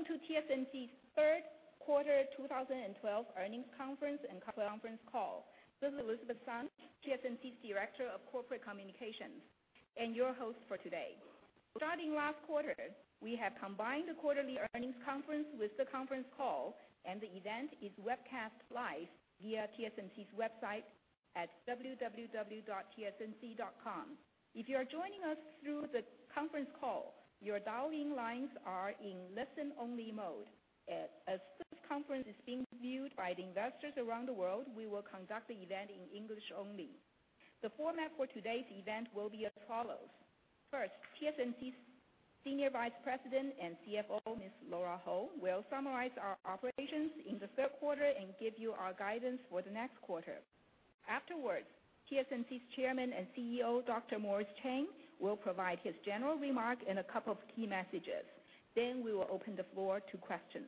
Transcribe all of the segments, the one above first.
Welcome to TSMC's third quarter 2012 earnings conference and conference call. This is Elizabeth Sun, TSMC's Director of Corporate Communications, and your host for today. Starting last quarter, we have combined the quarterly earnings conference with the conference call, and the event is webcast live via TSMC's website at www.tsmc.com. If you are joining us through the conference call, your dial-in lines are in listen-only mode. As this conference is being viewed by investors around the world, we will conduct the event in English only. The format for today's event will be as follows. First, TSMC's Senior Vice President and CFO, Ms. Lora Ho, will summarize our operations in the third quarter and give you our guidance for the next quarter. Afterwards, TSMC's Chairman and CEO, Dr. Morris Chang, will provide his general remark and a couple of key messages. We will open the floor to questions.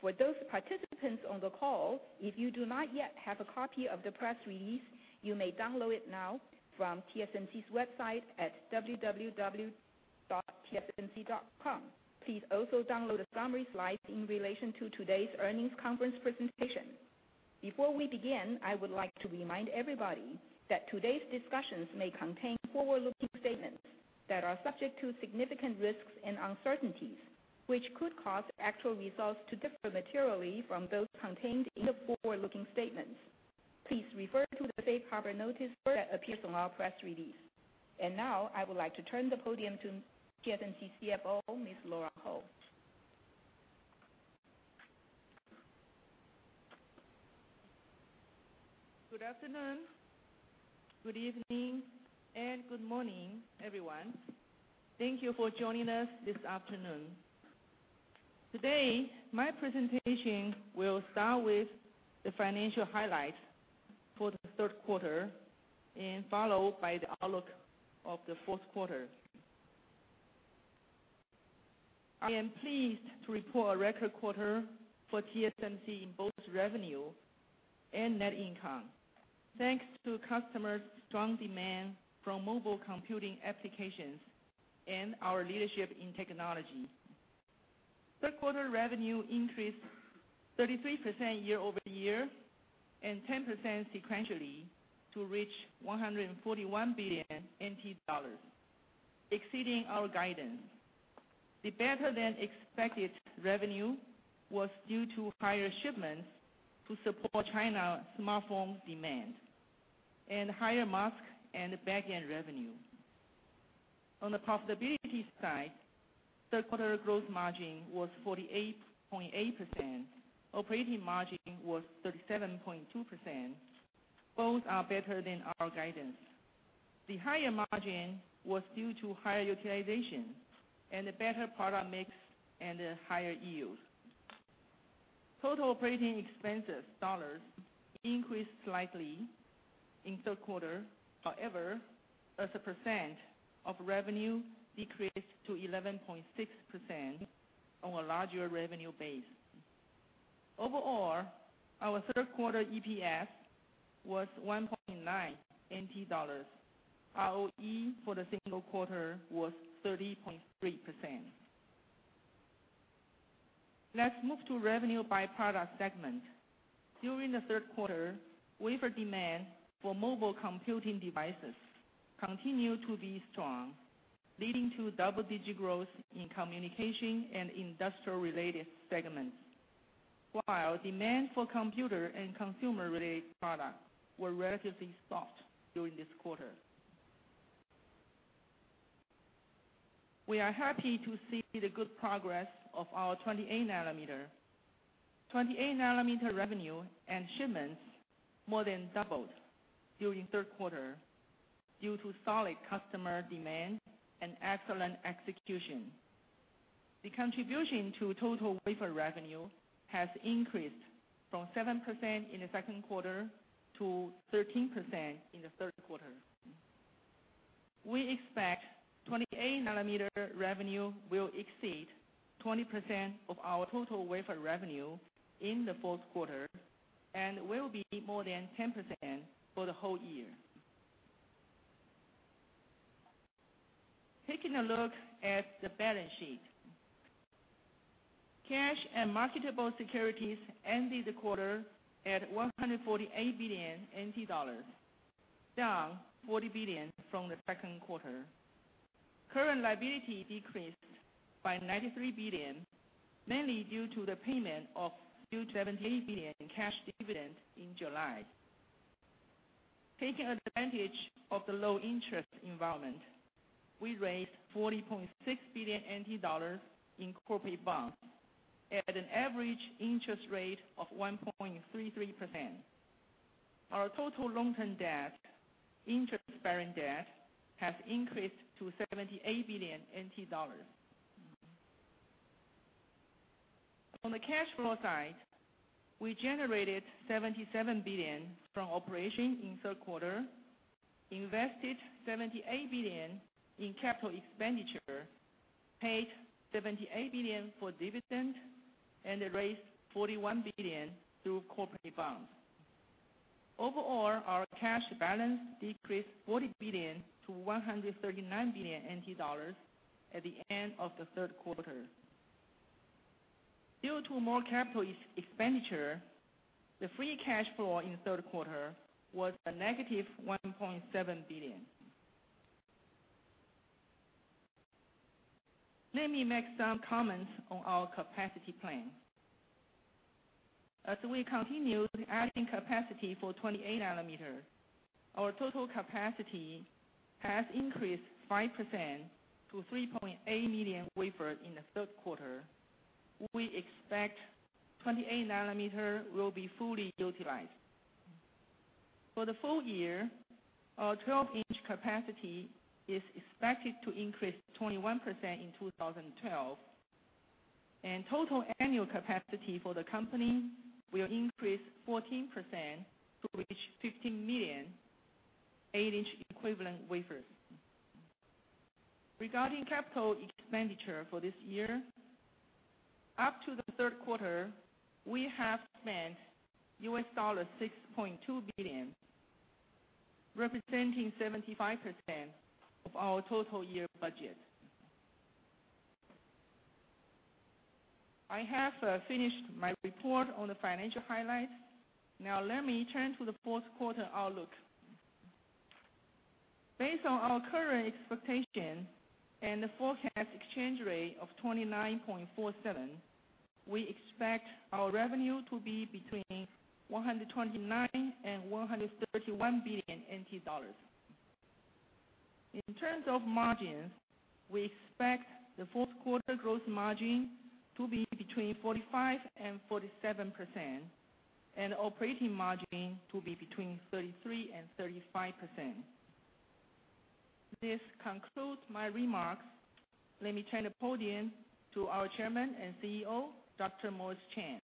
For those participants on the call, if you do not yet have a copy of the press release, you may download it now from TSMC's website at www.tsmc.com. Please also download the summary slides in relation to today's earnings conference presentation. Before we begin, I would like to remind everybody that today's discussions may contain forward-looking statements that are subject to significant risks and uncertainties, which could cause actual results to differ materially from those contained in the forward-looking statements. Please refer to the safe harbor notice that appears in our press release. Now, I would like to turn the podium to TSMC CFO, Ms. Lora Ho. Good afternoon, good evening, and good morning, everyone. Thank you for joining us this afternoon. Today, my presentation will start with the financial highlights for the third quarter, and followed by the outlook of the fourth quarter. I am pleased to report a record quarter for TSMC in both revenue and net income, thanks to customers' strong demand from mobile computing applications and our leadership in technology. Third quarter revenue increased 33% year-over-year, and 10% sequentially, to reach 141 billion NT dollars, exceeding our guidance. The better than expected revenue was due to higher shipments to support China smartphone demand, and higher mask and backend revenue. On the profitability side, third quarter gross margin was 48.8%. Operating margin was 37.2%. Both are better than our guidance. The higher margin was due to higher utilization, and a better product mix, and a higher yield. Total operating expenses dollars increased slightly in the third quarter. However, as a percent of revenue decreased to 11.6% on a larger revenue base. Overall, our third quarter EPS was 1.9 NT dollars. ROE for the single quarter was 30.3%. Let's move to revenue by product segment. During the third quarter, wafer demand for mobile computing devices continued to be strong, leading to double-digit growth in communication and industrial related segments. While demand for computer and consumer related products were relatively soft during this quarter. We are happy to see the good progress of our 28 nanometer. 28 nanometer revenue and shipments more than doubled during the third quarter due to solid customer demand and excellent execution. The contribution to total wafer revenue has increased from 7% in the second quarter to 13% in the third quarter. We expect 28 nanometer revenue will exceed 20% of our total wafer revenue in the fourth quarter, and will be more than 10% for the whole year. Taking a look at the balance sheet. Cash and marketable securities ended the quarter at NT$148 billion, down NT$40 billion from the second quarter. Current liability decreased by NT$93 billion, mainly due to the payment of NT$78 billion in cash dividend in July. Taking advantage of the low interest environment, we raised NT$40.6 billion in corporate bonds at an average interest rate of 1.33%. Our total long-term debt, interest-bearing debt, has increased to NT$78 billion. On the cash flow side, we generated NT$77 billion from operation in the third quarter, invested NT$78 billion in capital expenditure, paid NT$78 billion for dividend, and raised NT$41 billion through corporate bonds. Overall, our cash balance decreased NT$40 billion to NT$139 billion at the end of the third quarter. Due to more capital expenditure, the free cash flow in the third quarter was a negative NT$1.7 billion. Let me make some comments on our capacity plan. As we continue adding capacity for 28 nanometer, our total capacity has increased 5% to 3.8 million wafers in the third quarter. We expect 28 nanometer will be fully utilized. For the full year, our 12-inch capacity is expected to increase 21% in 2012, and total annual capacity for the company will increase 14% to reach 15 million 8-inch equivalent wafers. Regarding capital expenditure for this year, up to the third quarter, we have spent US$6.2 billion, representing 75% of our total year budget. I have finished my report on the financial highlights. Let me turn to the fourth quarter outlook. Based on our current expectation and the forecast exchange rate of 29.47, we expect our revenue to be between NT$129 billion and NT$131 billion. In terms of margins, we expect the fourth quarter growth margin to be between 45%-47%, and operating margin to be between 33%-35%. This concludes my remarks. Let me turn the podium to our chairman and CEO, Dr. Morris Chang.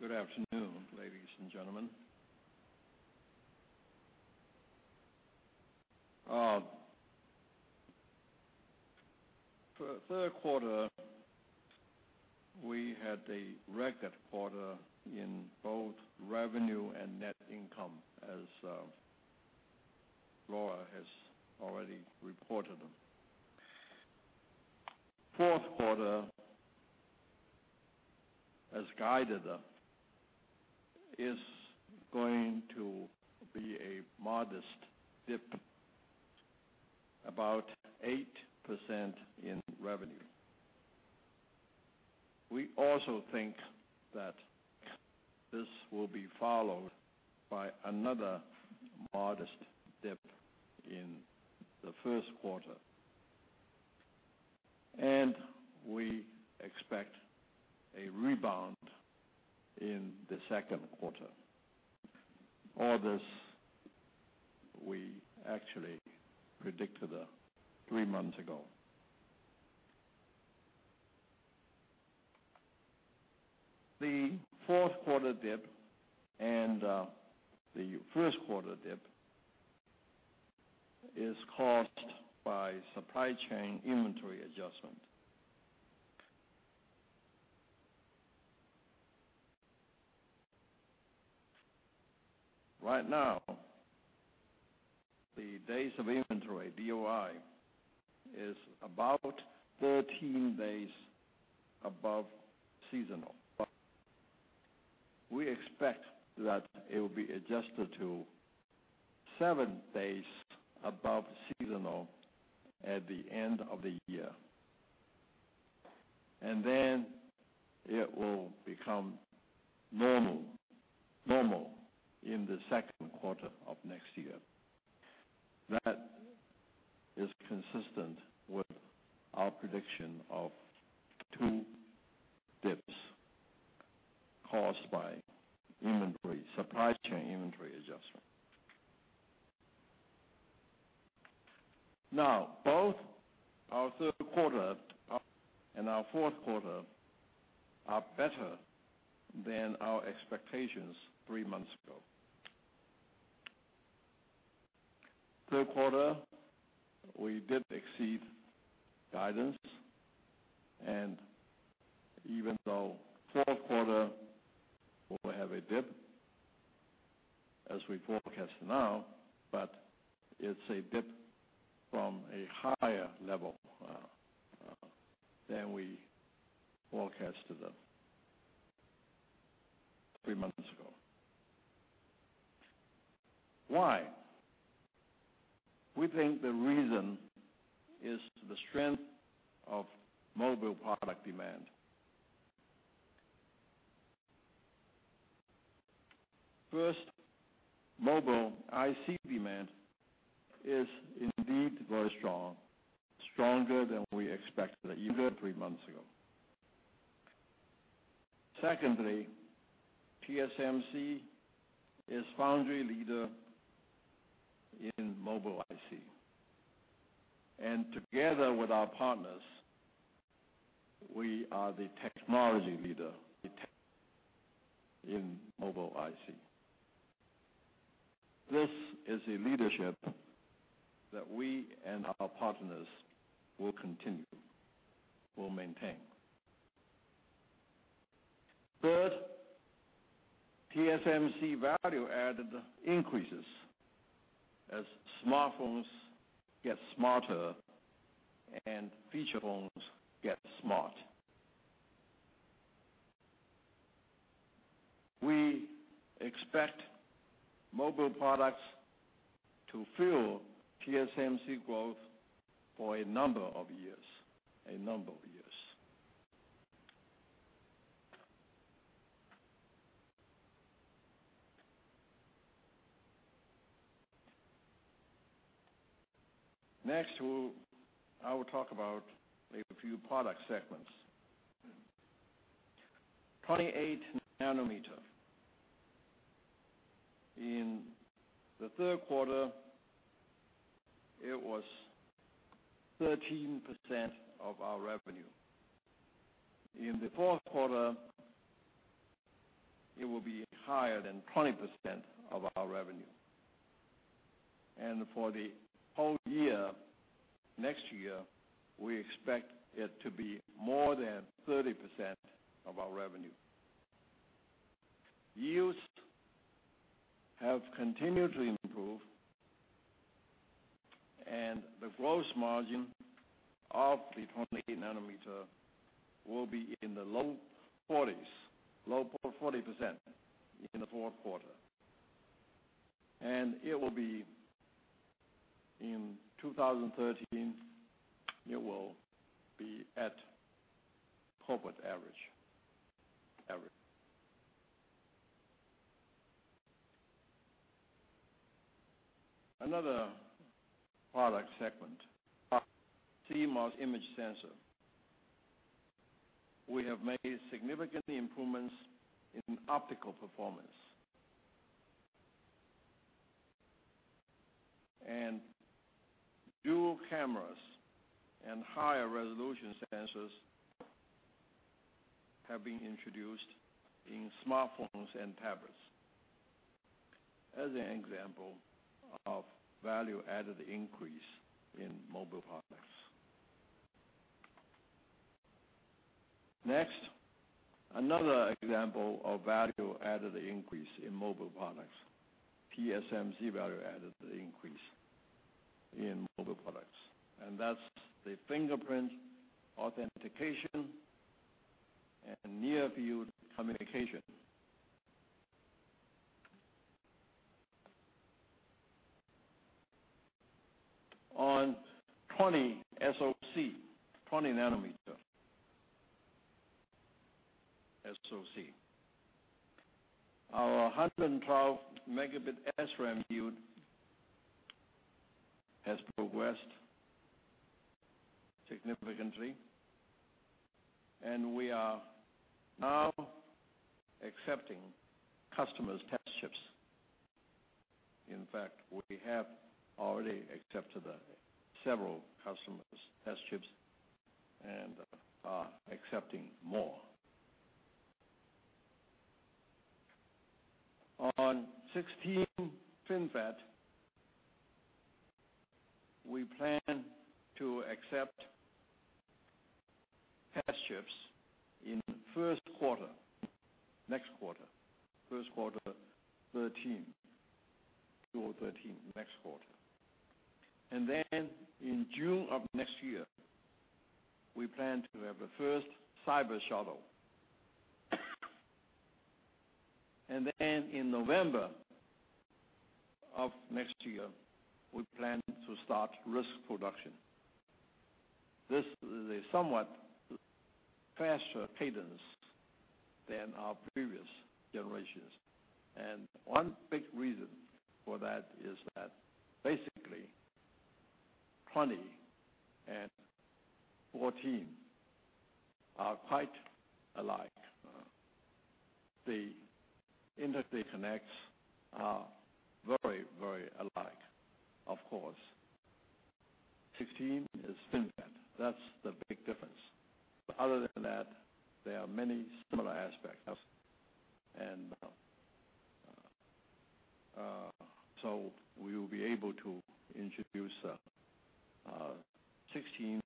Good afternoon, ladies and gentlemen. Third quarter, we had a record quarter in both revenue and net income, as Lora has already reported. Fourth quarter, as guided, is going to be a modest dip, about 8% in revenue. We also think that this will be followed by another modest dip in the first quarter, and we expect a rebound in the second quarter. All this we actually predicted three months ago. The fourth quarter dip and the first quarter dip is caused by supply chain inventory adjustment. Right now, the days of inventory, DOI, is about 13 days above seasonal. We expect that it will be adjusted to seven days above seasonal at the end of the year. Then it will become normal in the second quarter of next year. That is consistent with our prediction of two dips caused by supply chain inventory adjustment. Both our third quarter and our fourth quarter are better than our expectations three months ago. Third quarter, we did exceed guidance, even though fourth quarter will have a dip, as we forecast now, but it's a dip from a higher level than we forecasted three months ago. Why? We think the reason is the strength of mobile product demand. Mobile IC demand is indeed very strong, stronger than we expected even three months ago. TSMC is foundry leader in mobile IC. Together with our partners, we are the technology leader in mobile IC. This is a leadership that we and our partners will continue, will maintain. TSMC value added increases as smartphones get smarter and feature phones get smart. We expect mobile products to fuel TSMC growth for a number of years. Next, I will talk about a few product segments. 28 nanometer. In the third quarter, it was 13% of our revenue. In the fourth quarter, it will be higher than 20% of our revenue. For the whole year, next year, we expect it to be more than 30% of our revenue. Yields have continued to improve, the gross margin of the 28 nanometer will be in the low 40s, low 40% in the fourth quarter. In 2013, it will be at corporate average. Another product segment, CMOS image sensor. We have made significant improvements in optical performance, dual cameras and higher resolution sensors have been introduced in smartphones and tablets as an example of value-added increase in mobile products. Another example of value-added increase in mobile products, TSMC value-added increase in mobile products, that's the fingerprint authentication and Near Field Communication. 20 SoC, 20 nanometer SoC. Our 112 megabit SRAM yield has progressed significantly, we are now accepting customers' test chips. We have already accepted several customers' test chips and are accepting more. 16 FinFET, we plan to accept test chips in first quarter, next quarter, first quarter '13, Q1 '13, next quarter. In June of next year, we plan to have the first CyberShuttle. In November of next year, we plan to start risk production. This is a somewhat faster cadence than our previous generations. One big reason for that is that basically 20 and 14 are quite alike. The interconnects are very alike. Of course, 16 is FinFET. That's the big difference. Other than that, there are many similar aspects. So we will be able to introduce 16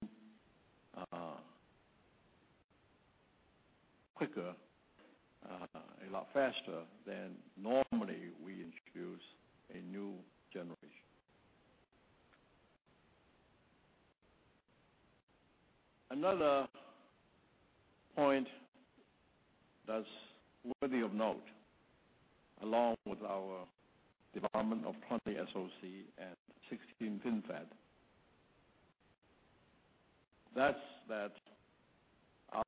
quicker, a lot faster than normally we introduce a new generation. Another point that's worthy of note, along with our development of 20 SoC and 16 FinFET, that's that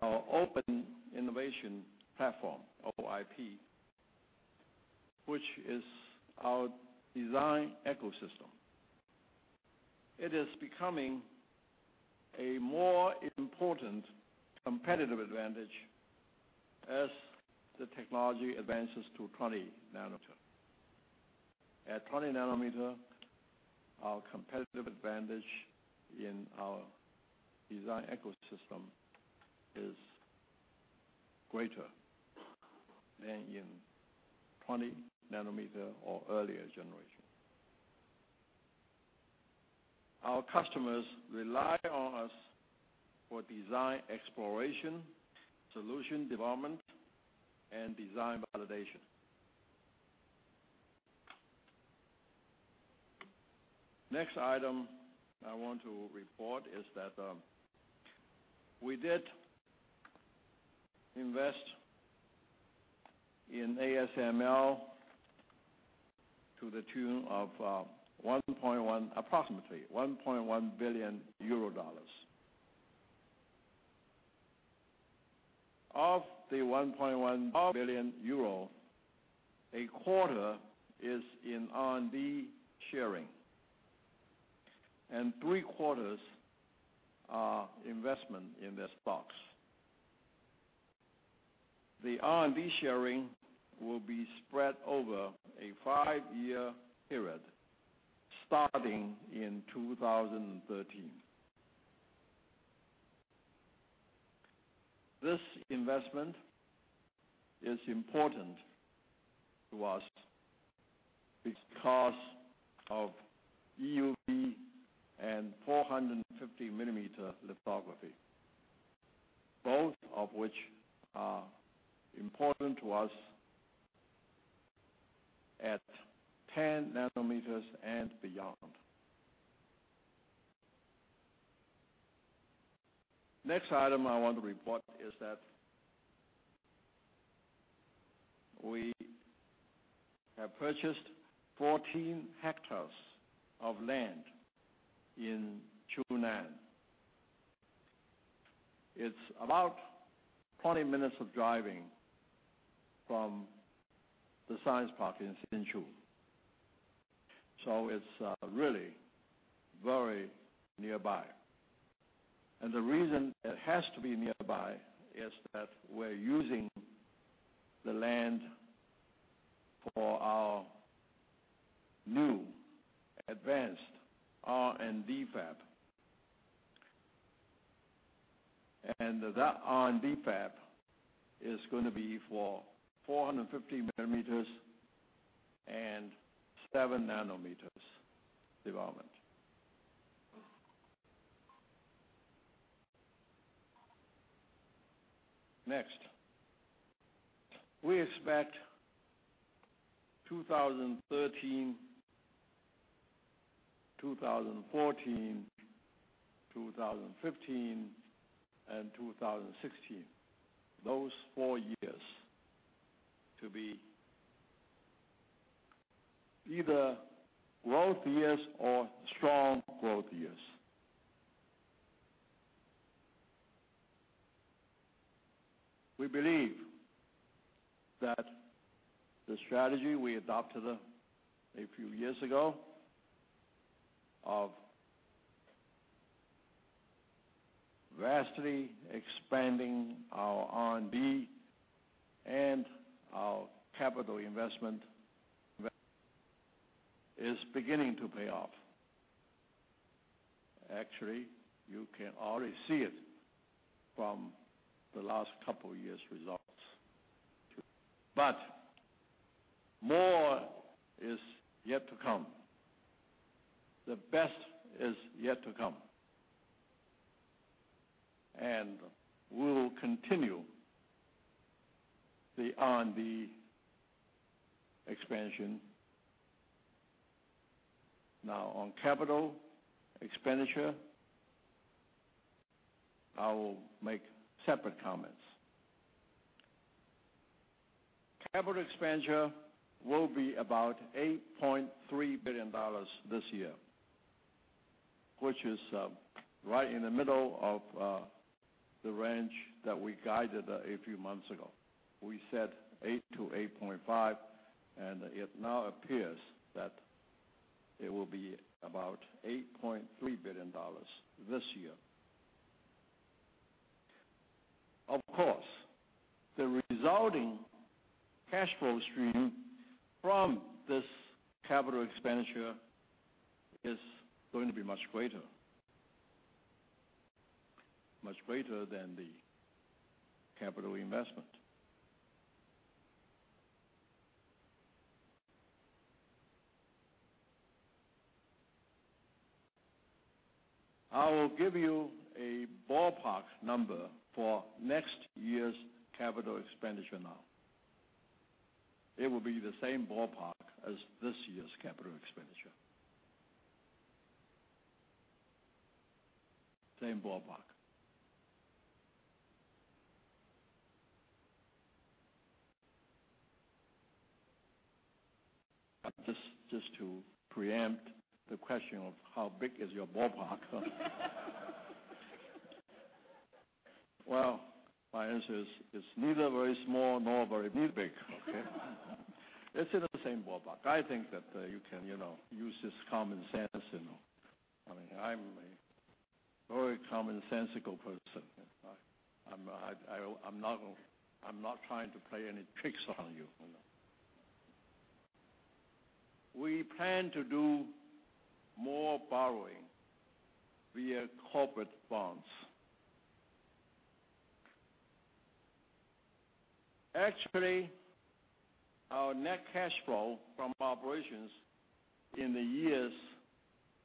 our Open Innovation Platform, OIP, which is our design ecosystem, it is becoming a more important competitive advantage as the technology advances to 20 nanometer. At 20 nanometer, our competitive advantage in our design ecosystem is greater than in 20 nanometer or earlier generation. Our customers rely on us for design exploration, solution development, and design validation. Next item I want to report is that we did invest in ASML to the tune of approximately EUR 1.1 billion. Of the 1.1 billion euro, a quarter is in R&D sharing, three-quarters are investment in their stocks. The R&D sharing will be spread over a five-year period, starting in 2013. This investment is important to us because of EUV and 450-millimeter lithography, both of which are important to us at 10 nanometers and beyond. Next item I want to report is that we have purchased 14 hectares of land in Zhunan. It's about 20 minutes of driving from the science park in Hsinchu, so it's really very nearby. The reason it has to be nearby is that we're using the land for our new advanced R&D fab. That R&D fab is going to be for 450 millimeters and seven nanometers development. Next, we expect 2013, 2014, 2015, and 2016, those four years, to be either growth years or strong growth years. We believe that the strategy we adopted a few years ago of vastly expanding our R&D and our capital investment is beginning to pay off. Actually, you can already see it from the last couple years' results. More is yet to come. The best is yet to come, and we'll continue the R&D expansion. Now, on capital expenditure, I will make separate comments. Capital expenditure will be about 8.3 billion dollars this year, which is right in the middle of the range that we guided a few months ago. We said 8 billion to 8.5 billion, and it now appears that it will be about 8.3 billion dollars this year. Of course, the resulting cash flow stream from this capital expenditure is going to be much greater than the capital investment. I will give you a ballpark number for next year's capital expenditure now. It will be the same ballpark as this year's capital expenditure. Same ballpark. Just to preempt the question of how big is your ballpark. Well, my answer is it's neither very small nor very big, okay? It's in the same ballpark. I think that you can use this common sense. I'm a very commonsensical person. I'm not trying to play any tricks on you. We plan to do more borrowing via corporate bonds. Actually, our net cash flow from operations in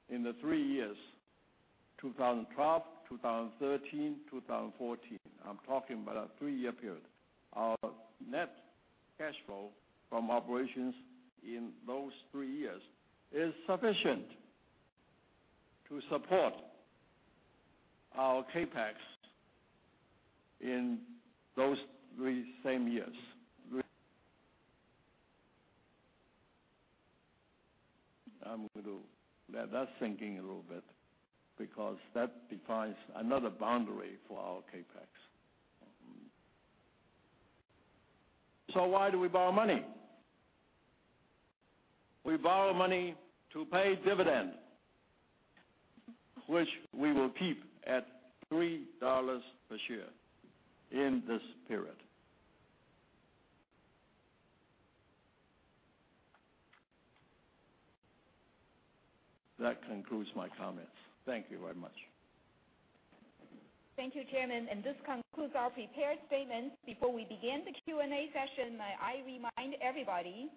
the three years, 2012, 2013, 2014, I'm talking about a three-year period. Our net cash flow from operations in those three years is sufficient to support our CapEx in those same three years. I'm going to let that sink in a little bit because that defines another boundary for our CapEx. Why do we borrow money? We borrow money to pay dividend, which we will keep at 3 dollars per share in this period. That concludes my comments. Thank you very much. Thank you, Chairman. This concludes our prepared statements. Before we begin the Q&A session, I remind everybody,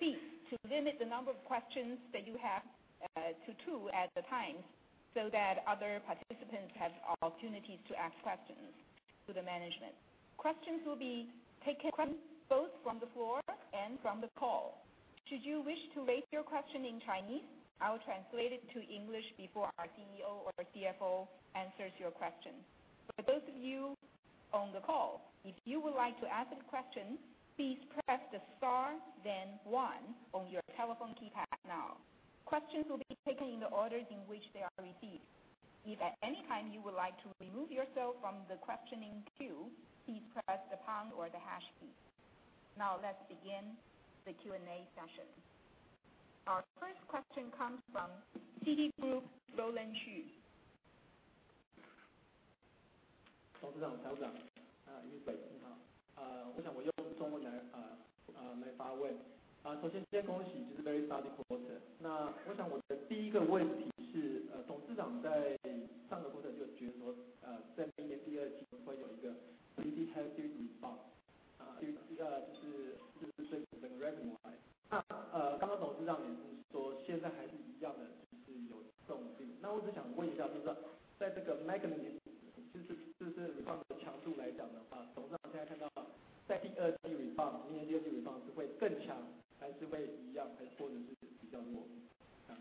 please, to limit the number of questions that you have to two at a time so that other participants have opportunities to ask questions to the management. Questions will be taken both from the floor and from the call. Should you wish to make your question in Chinese, I will translate it to English before our CEO or CFO answers your question. For those of you on the call, if you would like to ask a question, please press the star, then one on your telephone keypad now. Questions will be taken in the order in which they are received. If at any time you would like to remove yourself from the questioning queue, please press the pound or the hash key. Let's begin the Q&A session. Our first question comes from Citigroup, Roland Shu.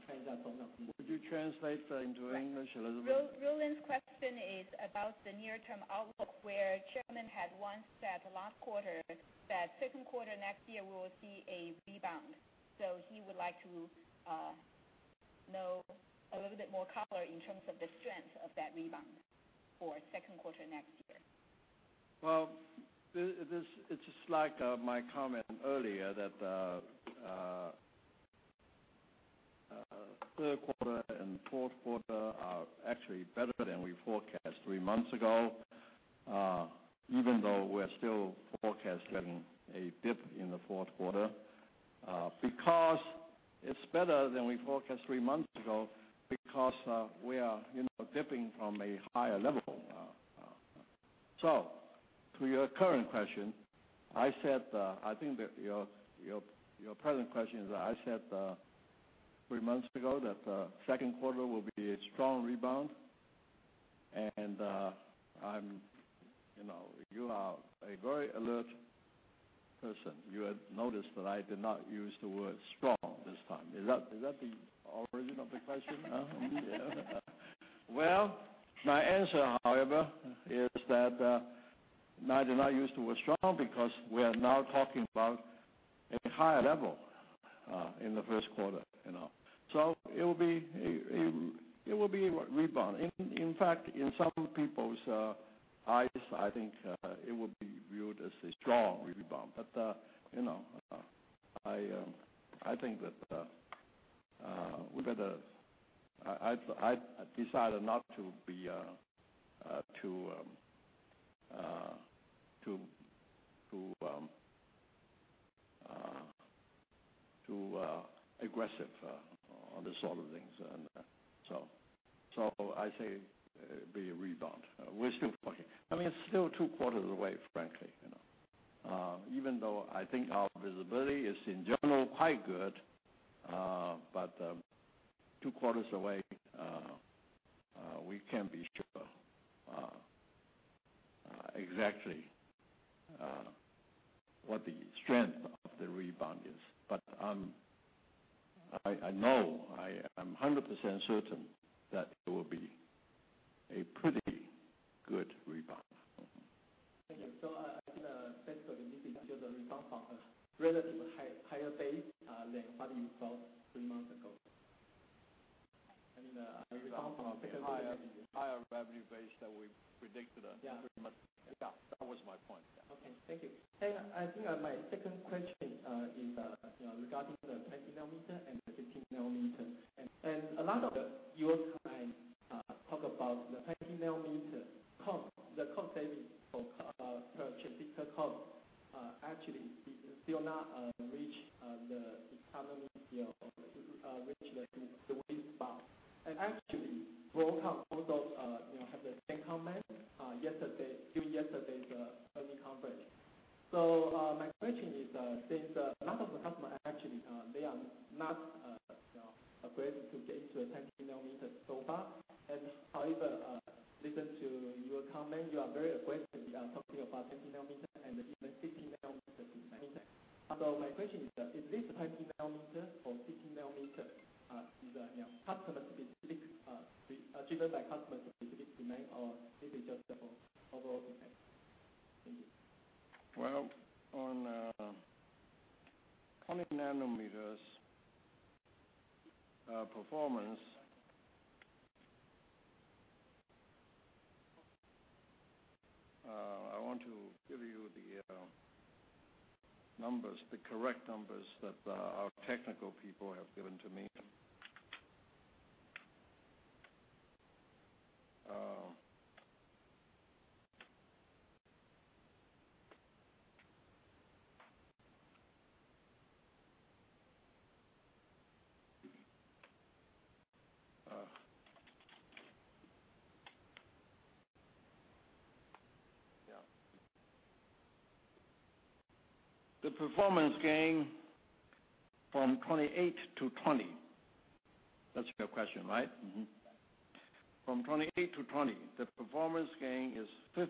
Would you translate that into English, Elizabeth? Roland's question is about the near-term outlook, where the chairman had once said last quarter that the second quarter next year we will see a rebound. He would like to know a little bit more color in terms of the strength of that rebound for the second quarter next year. Well, it is like my comment earlier that the third quarter and fourth quarter are actually better than we forecast three months ago, even though we're still forecasting a dip in the fourth quarter. It's better than we forecast three months ago because we are dipping from a higher level now. To your current question, I think that your present question is, I said three months ago that the second quarter will be a strong rebound. You are a very alert person. You had noticed that I did not use the word strong this time. Is that the origin of the question? Well, my answer, however, is that I did not use the word strong because we are now talking about a higher level in the first quarter. It will be a rebound. In fact, in some people's eyes, I think it will be viewed as a strong rebound. I decided not to be too aggressive on these sort of things. I say it will be a rebound. We're still talking. It's still two quarters away, frankly. Even though I think our visibility is, in general, quite good. Two quarters away, we can't be sure exactly what the strength of the rebound is. I know, I am 100% certain that it will be a pretty good rebound. Thank you. I think basically you mean that you have a rebound from a relatively higher base than what you thought three months ago. Higher revenue base than we predicted- Yeah Yeah, that was my point. Okay. Thank you. I think my second question is regarding the 20 nanometer and the 16 nanometer. A lot of your clients talk about the 20 nanometer cost, the cost saving for chipmaker cost, actually is still not reached the economy scale or reached the sweet spot. Actually, Broadcom also had the same comment during yesterday's earning conference. My question is, since a lot of the customer actually, they are not afraid to get into a 20 nanometer so far, however, listen to your comment, you are very aggressive. You are talking about 20 nanometer and even 16 nanometer in FinFET. My question is this 20 nanometer or 16 nanometer driven by customer specific demand, or is it just overall demand? Thank you. Well, on 20 nanometers performance, I want to give you the correct numbers that our technical people have given to me. The performance gain from 28 to 20, that's your question, right? From 28 to 20, the performance gain is 15%-20%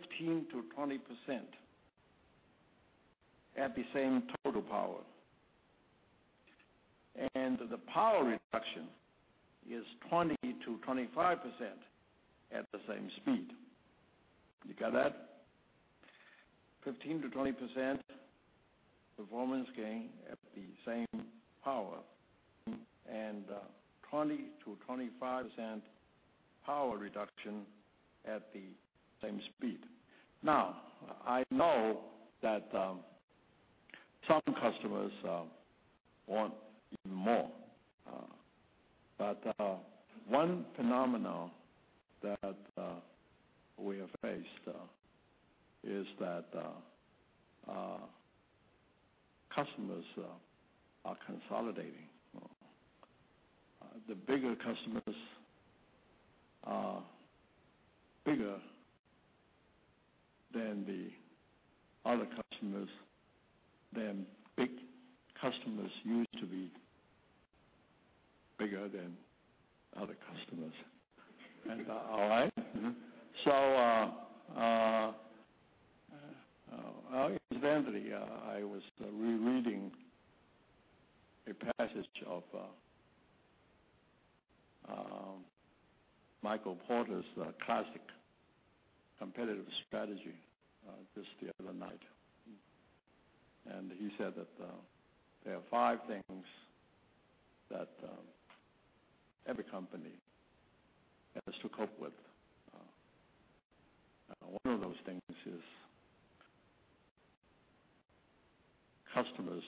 at the same total power. The power reduction is 20%-25% at the same speed. You got that? 15%-20% performance gain at the same power, and 20%-25% power reduction at the same speed. I know that some customers want even more. One phenomenon that we have faced is that customers are consolidating. The bigger customers are bigger than the other customers, than big customers used to be bigger than other customers. All right? Recently, I was rereading a passage of Michael Porter's classic competitive strategy just the other night. He said that there are five things that every company has to cope with. One of those things is customers'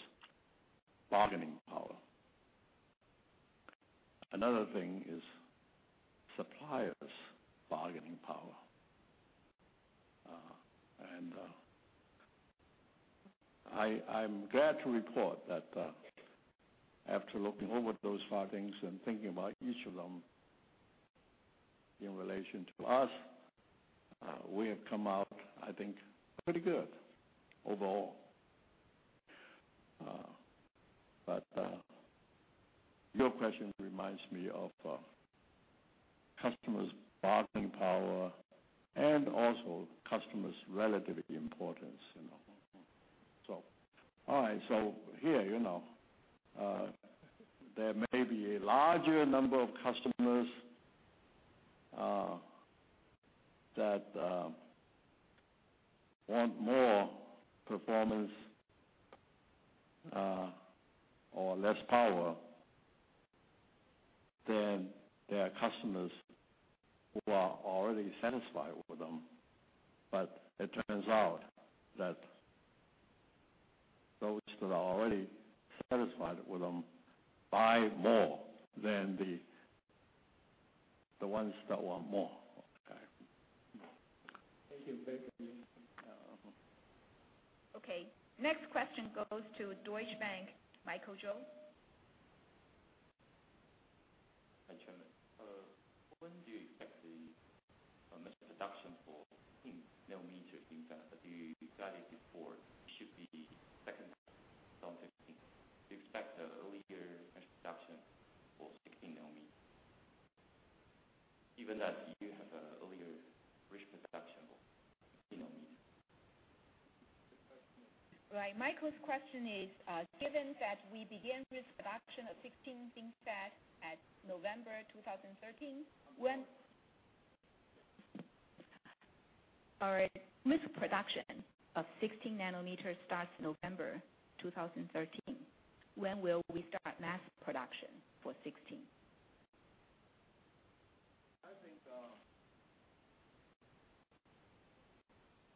bargaining power. Another thing is suppliers' bargaining power. I'm glad to report that after looking over those five things and thinking about each of them in relation to us, we have come out, I think, pretty good overall. Your question reminds me of customers' bargaining power and also customers' relative importance. All right. Here, there may be a larger number of customers that want more performance or less power than there are customers who are already satisfied with them. It turns out that those that are already satisfied with them buy more than the ones that want more. Okay. Thank you very much. Yeah. Mm-hmm. Okay, next question goes to Deutsche Bank, Michael Chou. Hi, Chairman. When do you expect the mass production for 16 nanometer FinFET? You said it before, it should be second half of 2016. Do you expect a earlier mass production for 16 nanometer, given that you have a earlier risk production of 16 nanometer? The question is. Right. Michael's question is, given that we begin risk production of 16 nanometer FinFET at November 2013. All right. Risk production of 16 nanometer starts November 2013. When will we start mass production for 16?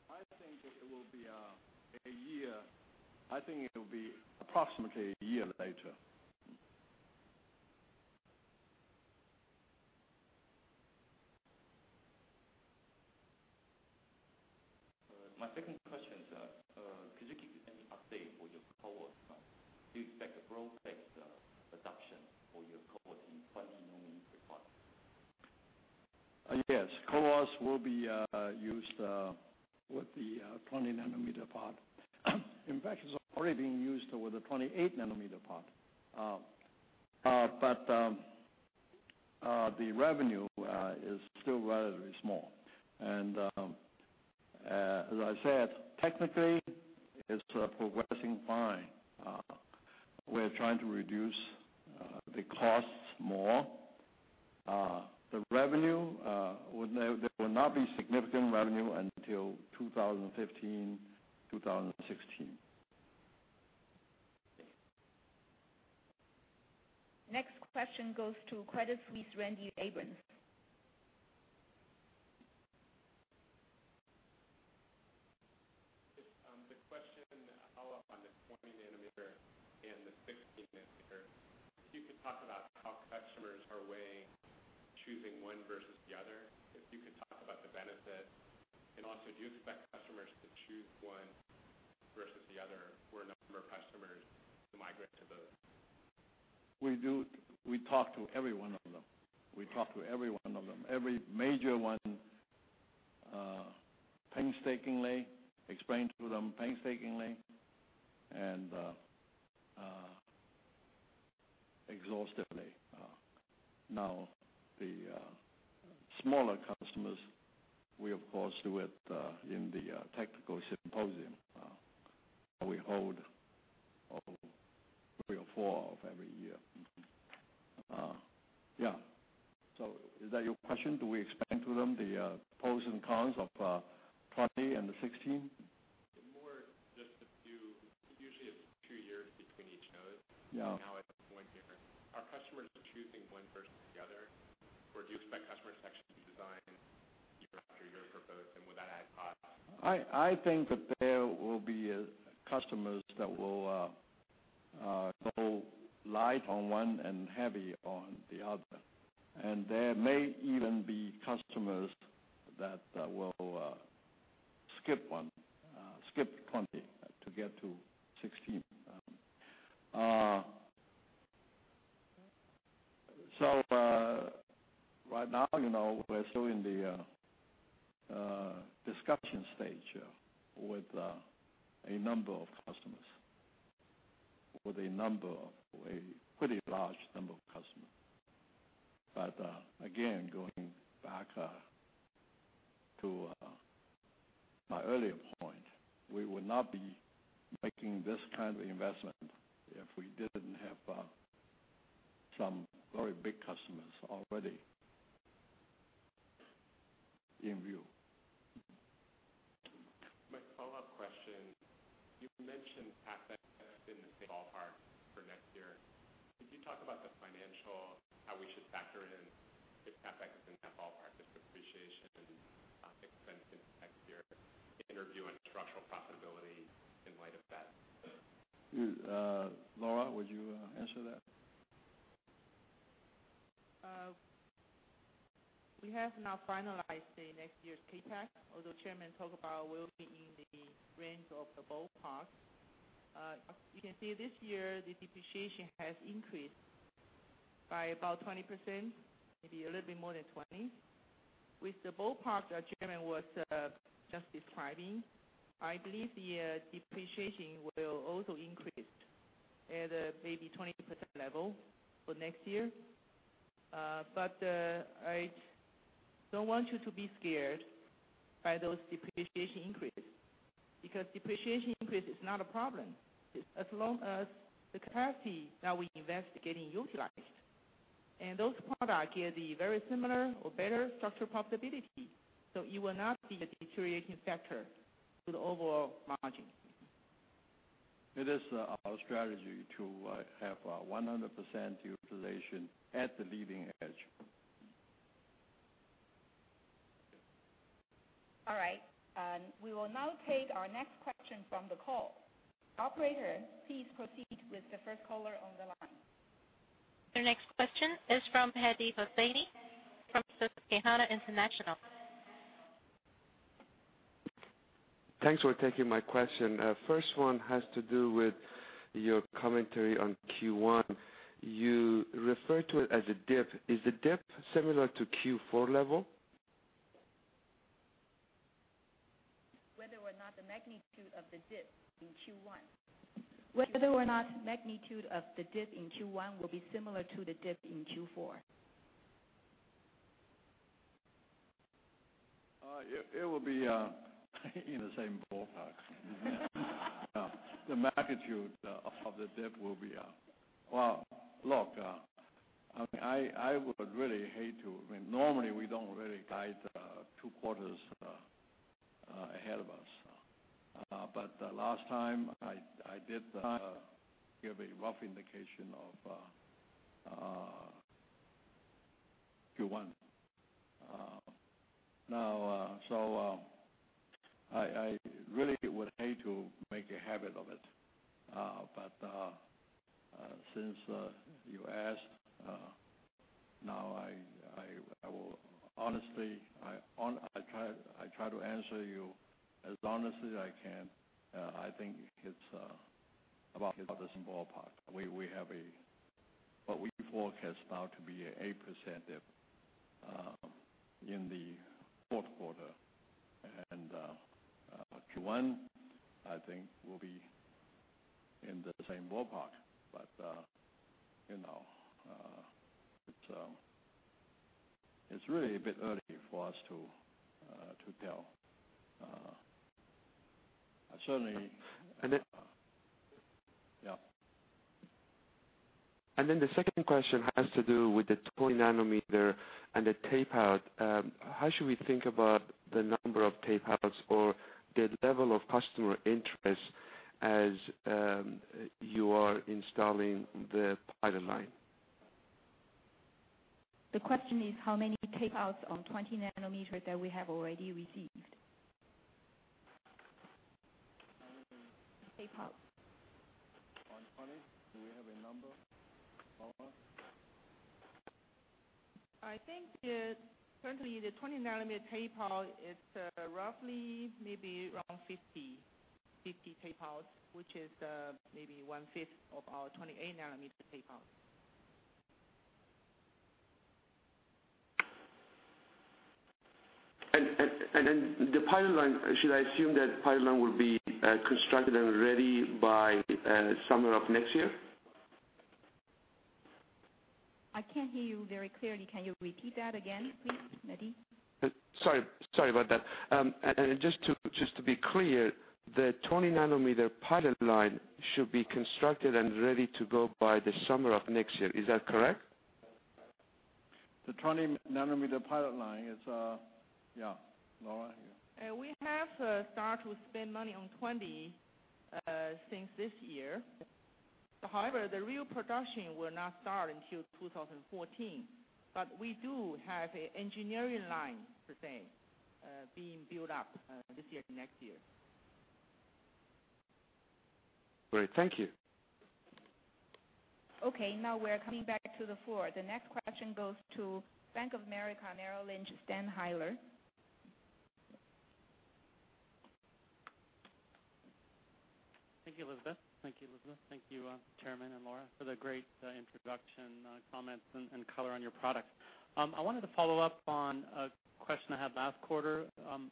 I think it will be approximately a year later. My second question, sir, could you give any update for your CoWoS? Do you expect broad-based adoption for your CoWoS in 20-nanometer product? Yes. CoWoS will be used with the 20-nanometer product. In fact, it is already being used with the 28-nanometer product. The revenue is still relatively small. As I said, technically, it is progressing fine. We are trying to reduce the costs more. There will not be significant revenue until 2015, 2016. Next question goes to Credit Suisse, Randy Abrams. The question, to follow up on the 20-nanometer and the 16-nanometer, if you could talk about how customers are weighing choosing one versus the other. If you could talk about the benefit. Also, do you expect customers to choose one versus the other, or a number of customers to migrate to both? We talk to every one of them. Every major one, explain to them painstakingly and exhaustively. The smaller customers, we of course do it in the technical symposium that we hold three or four of every year. Yeah. Is that your question? Do we explain to them the pros and cons of 20 and 16? More just the few, usually it's two years between each node. Yeah. It's one year. Are customers choosing one versus the other? Do you expect customers to actually design year after year for both, and will that add cost? I think that there will be customers that will go light on one and heavy on the other. There may even be customers that will skip one, skip 20 to get to 16. Right now, we're still in the discussion stage with a number of customers, with a pretty large number of customers. Again, going back to my earlier point, we would not be making this kind of investment if we didn't have some very big customers already in view. My follow-up question, you mentioned CapEx has been the same ballpark for next year. Could you talk about the financial, how we should factor it in, if CapEx is in that ballpark, just depreciation and expenses next year, reviewing structural profitability in light of that? Lora, would you answer that? We have not finalized next year's CapEx, although Chairman talk about will be in the range of the ballpark. You can see this year, the depreciation has increased by about 20%, maybe a little bit more than 20. With the ballpark that Chairman was just describing, I believe the depreciation will also increase at maybe 20% level for next year. I don't want you to be scared by those depreciation increases, because depreciation increase is not a problem, as long as the capacity that we invest is getting utilized. Those products have the very similar or better structural profitability. You will not see the deterioration factor to the overall margin. It is our strategy to have 100% utilization at the leading edge. All right. We will now take our next question from the call. Operator, please proceed with the first caller on the line. Your next question is from Mehdi Hosseini from Susquehanna International. Thanks for taking my question. First one has to do with your commentary on Q1. You refer to it as a dip. Is the dip similar to Q4 level? Whether or not the magnitude of the dip in Q1. Whether or not magnitude of the dip in Q1 will be similar to the dip in Q4. It will be in the same ballpark. Well, look, Normally, we don't really guide two quarters ahead of us. The last time I did give a rough indication of Q1. I really would hate to make a habit of it, since you asked, now I will honestly, I try to answer you as honestly as I can. I think it's about the same ballpark. What we forecast now to be an 8% dip in the fourth quarter, Q1, I think, will be in the same ballpark. It's really a bit early for us to tell. And then. Yeah. The second question has to do with the 20 nanometer and the tape out. How should we think about the number of tape outs or the level of customer interest as you are installing the pilot line? The question is how many tape outs on 20 nanometer that we have already received. On 20, do we have a number? Lora? I think currently the 20 nanometer tape out is roughly maybe around 50 tape outs, which is maybe one fifth of our 28-nanometer tape out. The pilot line, should I assume that pilot line will be constructed and ready by summer of next year? I can't hear you very clearly. Can you repeat that again, please, Mehdi? Just to be clear, the 20-nanometer pilot line should be constructed and ready to go by the summer of next year. Is that correct? The 20-nanometer pilot line is Yeah. Lora? We have started to spend money on 20 since this year. The real production will not start until 2014. We do have an engineering line per se, being built up this year to next year. Great. Thank you. Now we're coming back to the floor. The next question goes to Bank of America Merrill Lynch, Dan Heyler. Thank you, Elizabeth. Thank you, Chairman and Lora, for the great introduction, comments, and color on your products. I wanted to follow up on a question I had last quarter,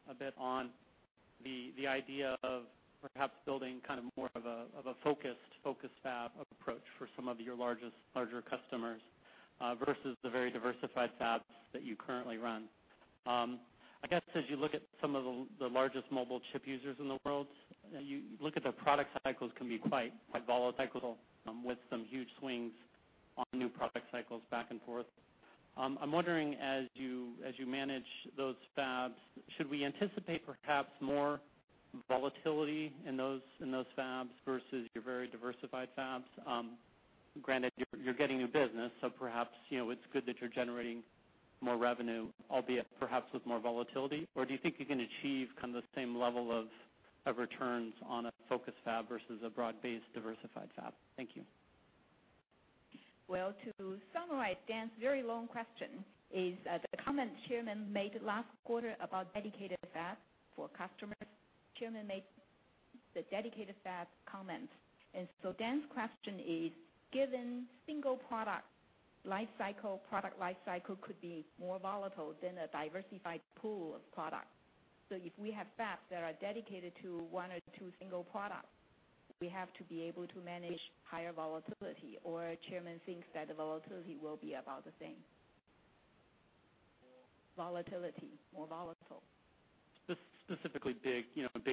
a bit on the idea of perhaps building more of a focused fab approach for some of your larger customers, versus the very diversified fabs that you currently run. As you look at some of the largest mobile chip users in the world, you look at their product cycles can be quite volatile, with some huge swings on new product cycles back and forth. I'm wondering, as you manage those fabs, should we anticipate perhaps more volatility in those fabs versus your very diversified fabs? You're getting new business, so perhaps it's good that you're generating more revenue, albeit perhaps with more volatility. Do you think you can achieve kind of the same level of returns on a focused fab versus a broad-based diversified fab? Thank you. Well, to summarize Dan's very long question is the comment Chairman made last quarter about dedicated fabs for customers. Chairman made the dedicated fab comments. Dan's question is, given single product life cycle, product life cycle could be more volatile than a diversified pool of products. If we have fabs that are dedicated to one or two single products, we have to be able to manage higher volatility. Chairman thinks that the volatility will be about the same. Volatility. More volatile. Specifically big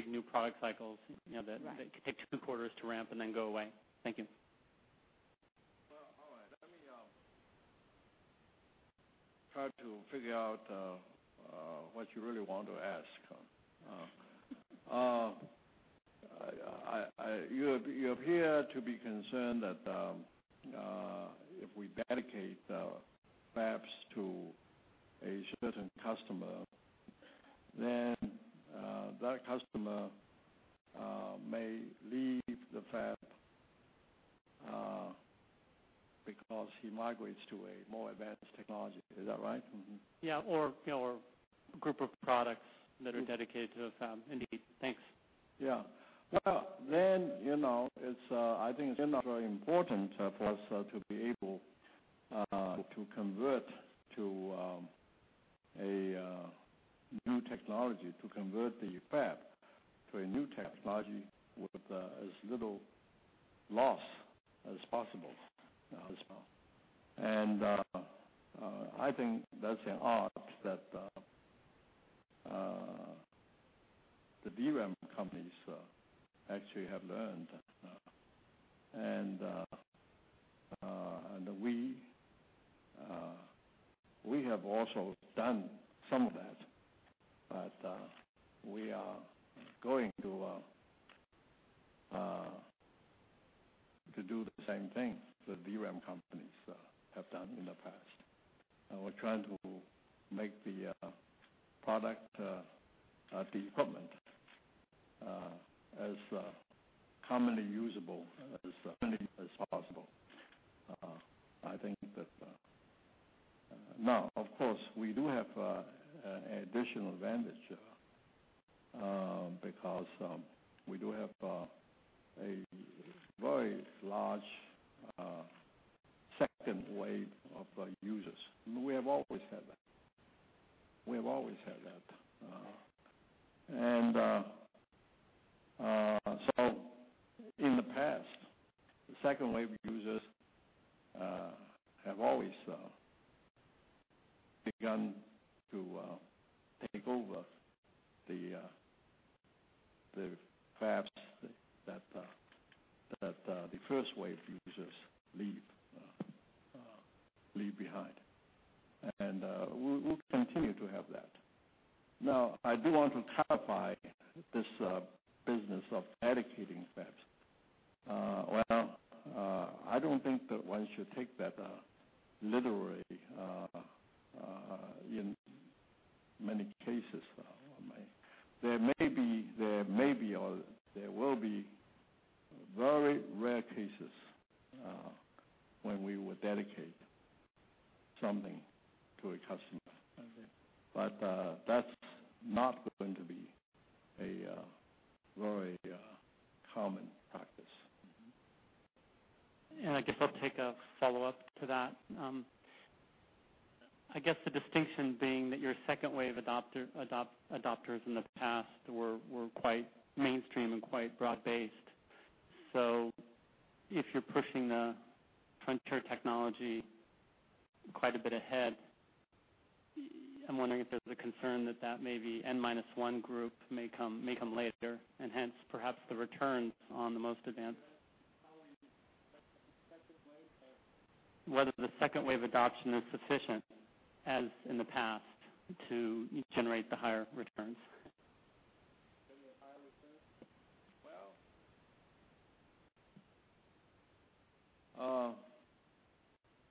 new product cycles that Right take two quarters to ramp and then go away. Thank you. Well, all right. Let me try to figure out what you really want to ask. You appear to be concerned that if we dedicate the fabs to a certain customer, then that customer may leave the fab because he migrates to a more advanced technology. Is that right? Mm-hmm. Yeah. A group of products that are dedicated to a fab. Indeed. Thanks. I think it's very important for us to be able to convert to a new technology, to convert the fab to a new technology with as little loss as possible. I think that's an art that the DRAM companies actually have learned. We have also done some of that, we are going to do the same thing the DRAM companies have done in the past. We're trying to make the product, the equipment, as commonly usable as early as possible. Of course, we do have additional advantage because we do have a very large second wave of users. We have always had that. In the past, the second wave users have always begun to take over the fabs that the first-wave users leave behind, and we'll continue to have that. I do want to clarify this business of dedicating fabs. I don't think that one should take that literally in many cases. There may be, or there will be very rare cases when we would dedicate something to a customer. Okay. That's not going to be a very common practice. Mm-hmm. I guess I'll take a follow-up to that. I guess the distinction being that your second wave adopters in the past were quite mainstream and quite broad-based. If you're pushing the frontier technology quite a bit ahead, I'm wondering if there's a concern that may be N-minus-one group may come later, and hence, perhaps the returns on the most advanced- You're asking how in the second wave of- Whether the second wave adoption is sufficient, as in the past, to generate the higher returns. Generate higher returns? Well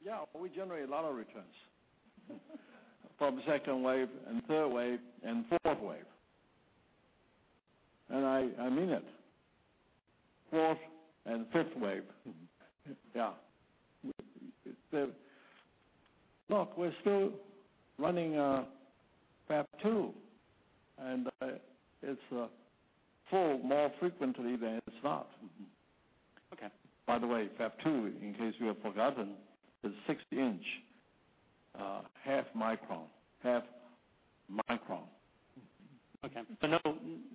Yeah. We generate a lot of returns from second wave and third wave and fourth wave. I mean it. Fourth and fifth wave. Yeah. Look, we're still running Fab 2, and it's full more frequently than it's not. Okay. By the way, Fab 2, in case you have forgotten, is 60-inch, half micron. Half micron. Okay.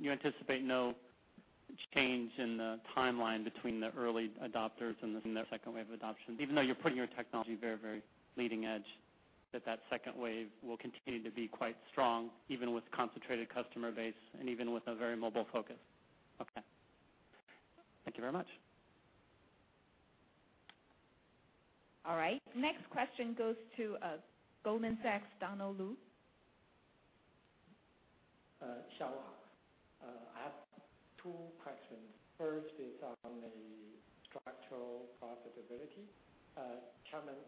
You anticipate no change in the timeline between the early adopters and the second wave of adoption, even though you're putting your technology very leading edge, that second wave will continue to be quite strong, even with concentrated customer base and even with a very mobile focus? Okay. Thank you very much. All right. Next question goes to Goldman Sachs, Donald Lu. Chang, Lora, I have two questions. First is on the structural profitability.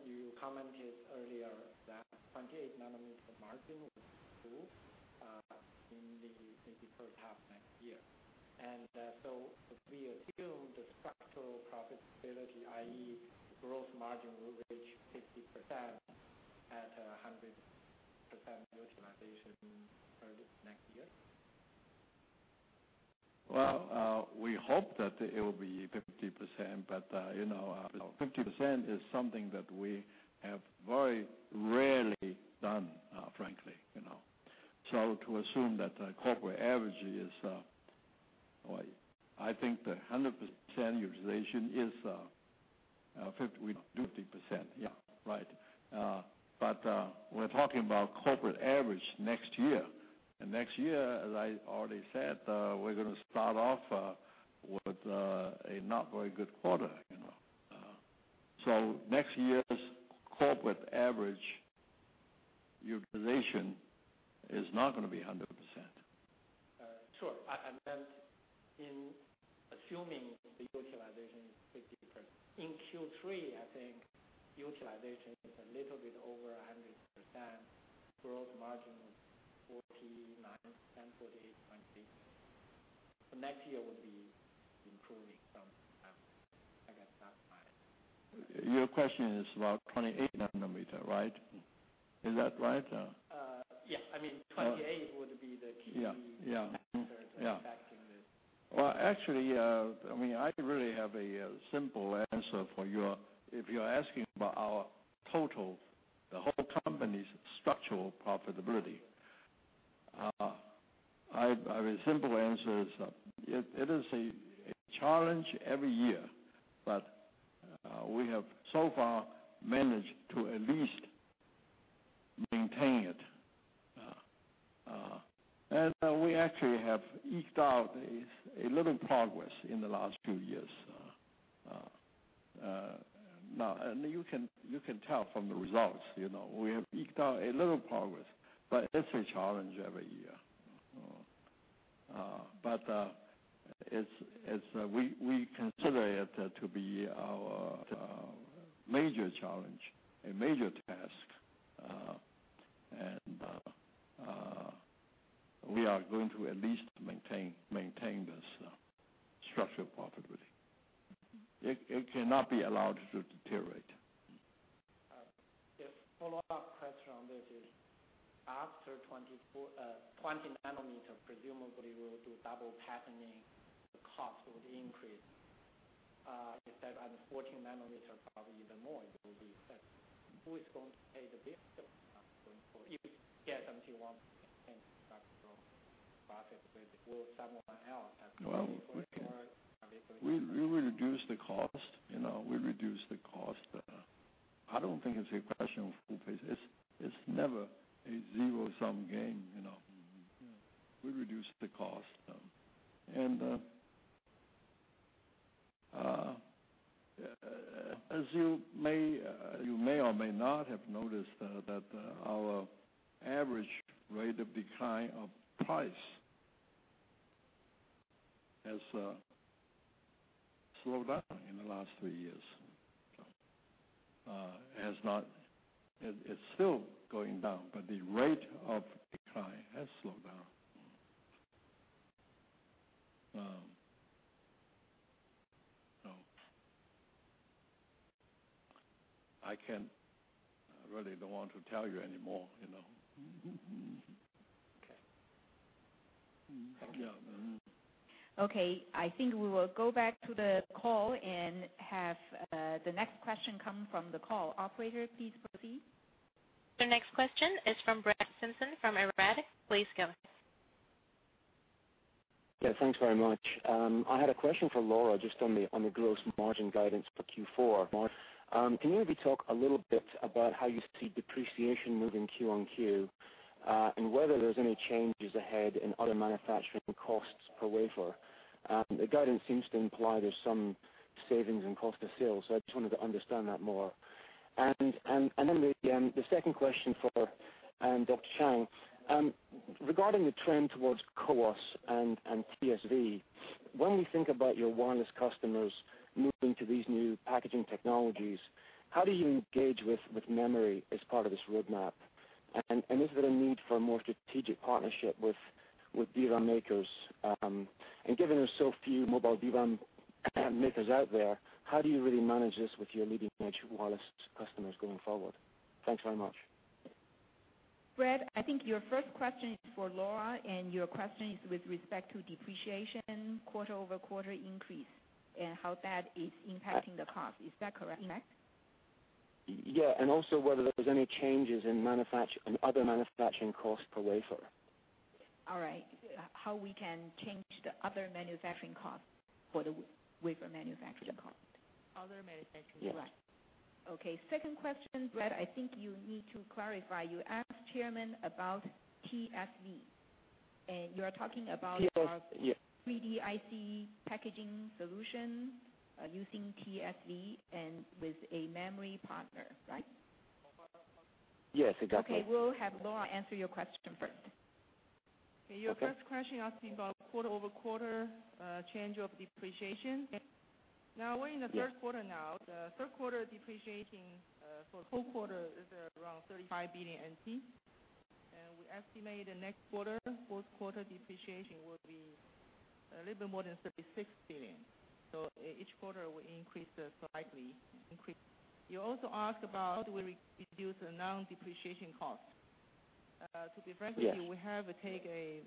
You commented earlier that 28 nanometer margin will improve in the first half next year. If we assume the structural profitability, i.e., gross margin will reach 50% at 100% utilization target next year? Well, we hope that it will be 50%, but 50% is something that we have very rarely done, frankly. To assume that the corporate average is Well, I think the 100% utilization is 50%. Yeah, right. We're talking about corporate average next year. Next year, as I already said, we're going to start off with a not very good quarter. Next year's corporate average utilization is not going to be 100%. Sure. I meant in assuming the utilization is 50%, in Q3, I think utilization is a little bit over 100%, growth margin was 49 and 48.6. Next year will be improving some. Your question is about 28 nanometer, right? Is that right? Yes. I mean, 28 would be the key- Yeah factor impacting the- Well, actually, I really have a simple answer for you. If you're asking about our total, the whole company's structural profitability, a very simple answer is, it is a challenge every year, but we have so far managed to at least maintain it. We actually have eked out a little progress in the last few years. You can tell from the results, we have eked out a little progress, but it's a challenge every year. We consider it to be our major challenge, a major task. We are going to at least maintain this structural profitability. It cannot be allowed to deteriorate. A follow-up question on this is, after 20 nanometer, presumably we will do double patterning, the cost will increase. If that adds 14 nanometer, probably even more it will be. Who is going to pay the bill going forward? If TSMC wants to maintain profitable profit, will someone else have to pay for it, or are you going to- We reduce the cost. I don't think it's a question of who pays. It's never a zero-sum game. We reduce the cost. As you may or may not have noticed, that our average rate of decline of price has slowed down in the last three years. It's still going down, but the rate of decline has slowed down. I really don't want to tell you any more. Okay. Yeah. I think we will go back to the call and have the next question come from the call. Operator, please proceed. The next question is from Brett Simpson from Arete Research. Please go. Thanks very much. I had a question for Lora, just on the gross margin guidance for Q4. Can you maybe talk a little bit about how you see depreciation moving Q on Q, and whether there's any changes ahead in other manufacturing costs per wafer? The guidance seems to imply there's some savings in cost of sales, so I just wanted to understand that more. Maybe the second question for Dr. Chang. Regarding the trend towards CoWoS and TSV, when we think about your wireless customers moving to these new packaging technologies, how do you engage with memory as part of this roadmap? Is there a need for a more strategic partnership with DRAM makers? Given there's so few mobile DRAM makers out there, how do you really manage this with your leading-edge wireless customers going forward? Thanks very much. Brett, I think your first question is for Lora, and your question is with respect to depreciation quarter-over-quarter increase and how that is impacting the cost. Is that correct? Yeah, also whether there's any changes in other manufacturing costs per wafer. All right. How we can change the other manufacturing costs for the wafer manufacturing cost. Other manufacturing costs. Yes. Okay. Second question, Brett, I think you need to clarify. You asked chairman about TSV, and you're talking about- Yes 3D IC packaging solution using TSV and with a memory partner, right? Yes, exactly. Okay, we'll have Lora answer your question first. Okay, your first question asking about quarter-over-quarter change of depreciation. Yes. Now, we're in the third quarter now. The third quarter depreciation for the whole quarter is around 35 billion NT. We estimate the next quarter, fourth quarter depreciation will be a little more than 36 billion TWD. Each quarter will increase slightly. You also asked about how do we reduce the non-depreciation cost. Yes. To be frank with you, we have take a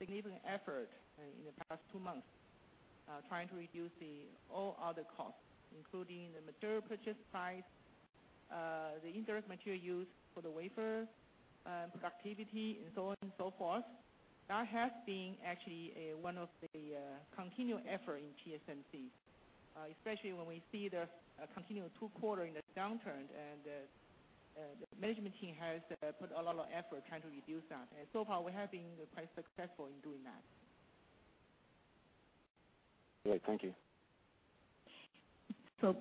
significant effort in the past two months, trying to reduce the all other costs, including the material purchase price, the indirect material used for the wafer, productivity and so on and so forth. That has been actually one of the continual effort in TSMC, especially when we see the continual two quarter in the downturn, the management team has put a lot of effort trying to reduce that. So far, we have been quite successful in doing that. Great. Thank you.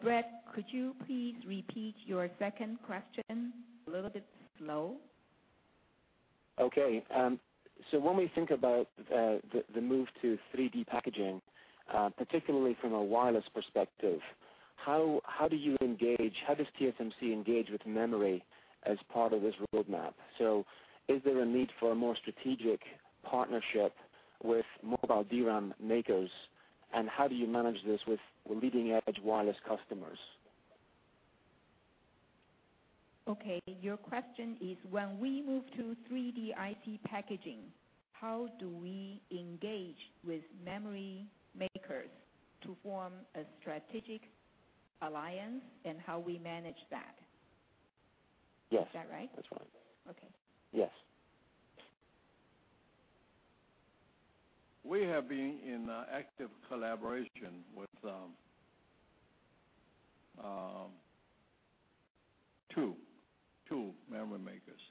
Brett, could you please repeat your second question a little bit slow? Okay. When we think about the move to 3D packaging, particularly from a wireless perspective, how does TSMC engage with memory as part of this roadmap? Is there a need for a more strategic partnership with mobile DRAM makers, and how do you manage this with leading-edge wireless customers? Okay. Your question is, when we move to 3D IC packaging, how do we engage with memory makers to form a strategic alliance, and how we manage that? Yes. Is that right? That's right. Okay. Yes. We have been in active collaboration with two memory makers.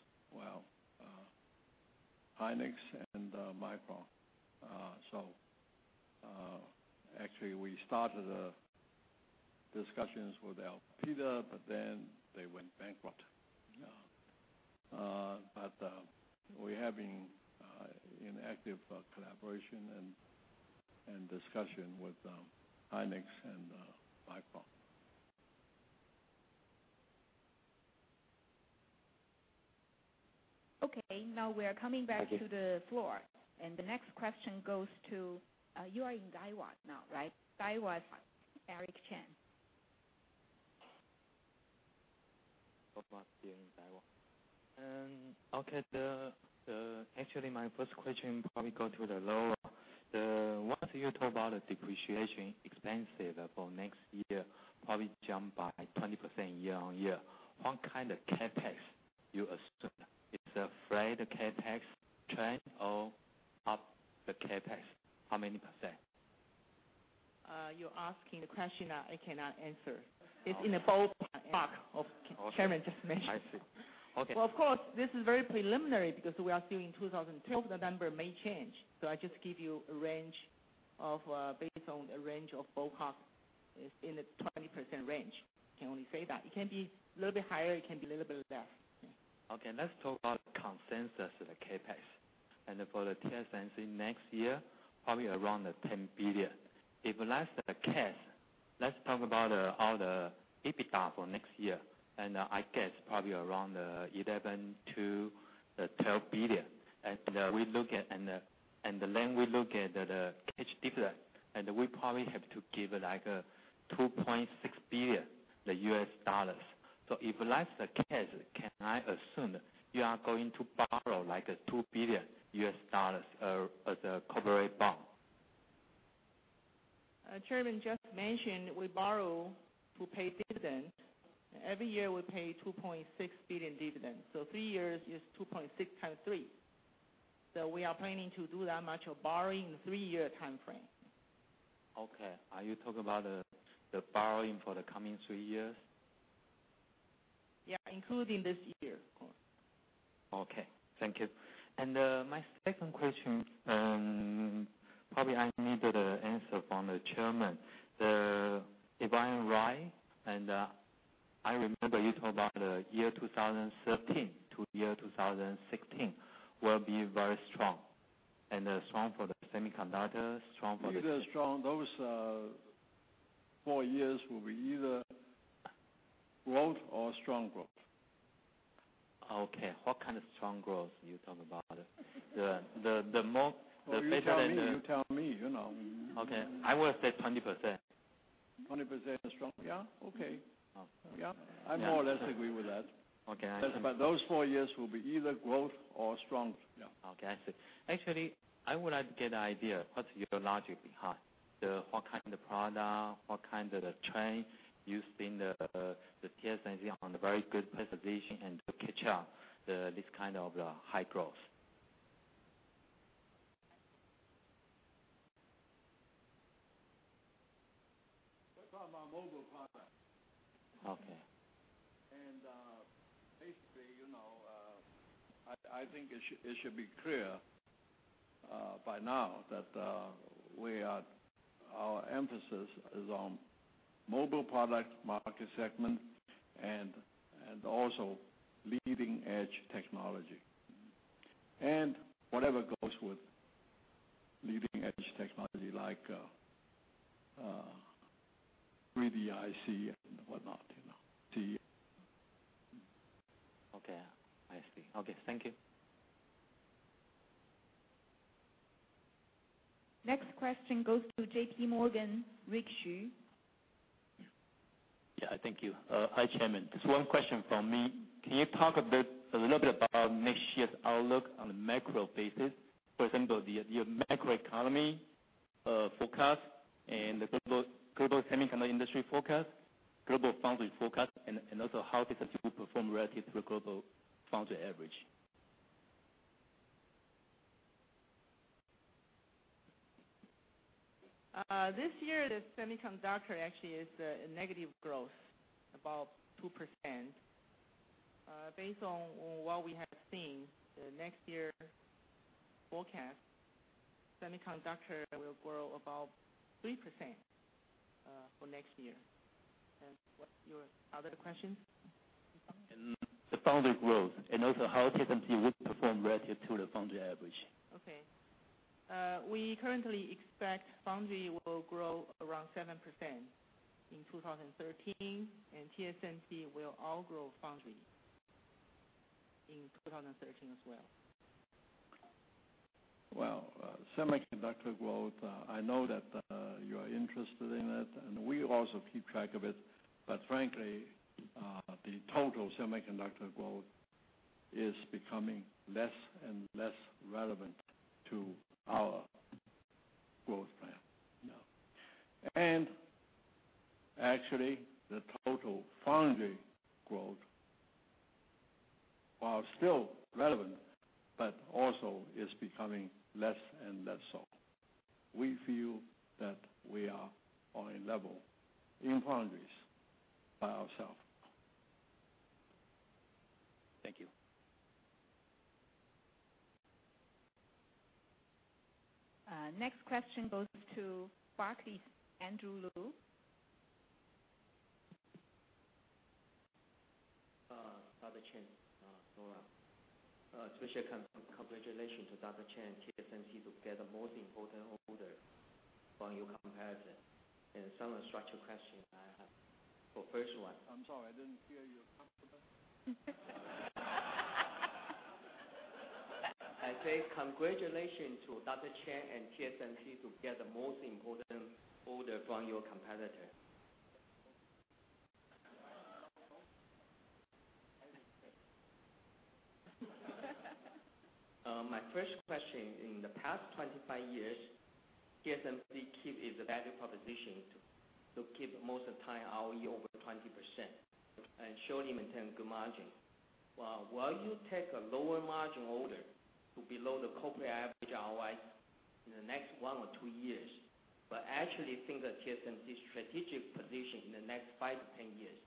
Hynix and Micron. Actually, we started discussions with Elpida, then they went bankrupt. We have been in active collaboration and discussion with Hynix and Micron. Now we are coming back to the floor, the next question goes to You are in Daiwa now, right? Daiwa's Eric Chen. Daiwa. Actually, my first question probably goes to Lora. Once you talk about the depreciation expenses for next year, probably jump by 20% year-over-year. What kind of CapEx you assume? It's a flat CapEx trend or up the CapEx? How many percent? You're asking the question I cannot answer. It's in the ballpark of what the Chairman just mentioned. I see. Okay. Well, of course, this is very preliminary because we are still in 2012. The number may change, so I just give you a range based on a range of bulk, is in the 20% range. I can only say that. It can be a little bit higher, it can be a little bit less. Okay. Let's talk about consensus of the CapEx, for the TSMC next year, probably around $10 billion. If that's the case, let's talk about all the EBITDA for next year, I guess probably around $11 billion-$12 billion. We look at the cash dividend, we probably have to give like $2.6 billion. If that's the case, can I assume that you are going to borrow like $2 billion US dollars as a corporate bond? Chairman just mentioned we borrow to pay dividends. Every year, we pay 2.6 billion dividend, so three years is 2.6 times three. We are planning to do that much of borrowing in three-year timeframe. Are you talking about the borrowing for the coming three years? Including this year. Thank you. My second question, probably I need the answer from the Chairman. If I'm right, I remember you talked about 2013 to 2016 will be very strong. Strong for the semiconductor, strong for the. Either strong, those four years will be either growth or strong growth. Okay, what kind of strong growth you talk about? You tell me. Okay. I will say 20%. 20% is strong. Yeah. Okay. Oh. Yeah. I more or less agree with that. Okay. Those four years will be either growth or strong. Yeah. Okay, I see. Actually, I would like to get an idea, what's your logic behind? What kind of product, what kind of trend you see the TSMC on the very good position and to catch up this kind of high growth? We're talking about mobile products. Okay. Basically, I think it should be clear by now that our emphasis is on mobile product market segment and also leading-edge technology. Whatever goes with leading-edge technology like 3D IC and whatnot. Okay. I see. Okay. Thank you. Next question goes to JP Morgan, Rick Hsu. Thank you. Hi, Chairman. Just one question from me. Can you talk a little bit about next year's outlook on a macro basis? For example, your macro economy forecast and the global semiconductor industry forecast, global foundry forecast, and also how does it perform relative to the global foundry average? This year, the semiconductor actually is a negative growth, about 2%. Based on what we have seen, the next year forecast, semiconductor will grow about 3% for next year. What's your other question? The foundry growth, also how TSMC would perform relative to the foundry average. Okay. We currently expect foundry will grow around 7% in 2013, and TSMC will outgrow foundry in 2013 as well. Well, semiconductor growth, I know that you are interested in it, and we also keep track of it, but frankly, the total semiconductor growth is becoming less and less relevant to our growth plan. Yeah. Actually, the total foundry growth While still relevant, but also is becoming less and less so. We feel that we are on a level in foundries by ourselves. Thank you. Next question goes to Barclays, Andrew Lu. Dr. Chang, Lora. Special congratulations to Dr. Chang, TSMC to get the most important order from your competitor. Some structural question I have. I'm sorry, I didn't hear you. Come again? I say congratulations to Dr. Chang and TSMC to get the most important order from your competitor. My first question, in the past 25 years, TSMC keep its value proposition to keep most of the time ROE over 20% and showing maintain good margin. While you take a lower margin order to below the corporate average ROI in the next 1 or 2 years, but actually think that TSMC's strategic position in the next 5 to 10 years,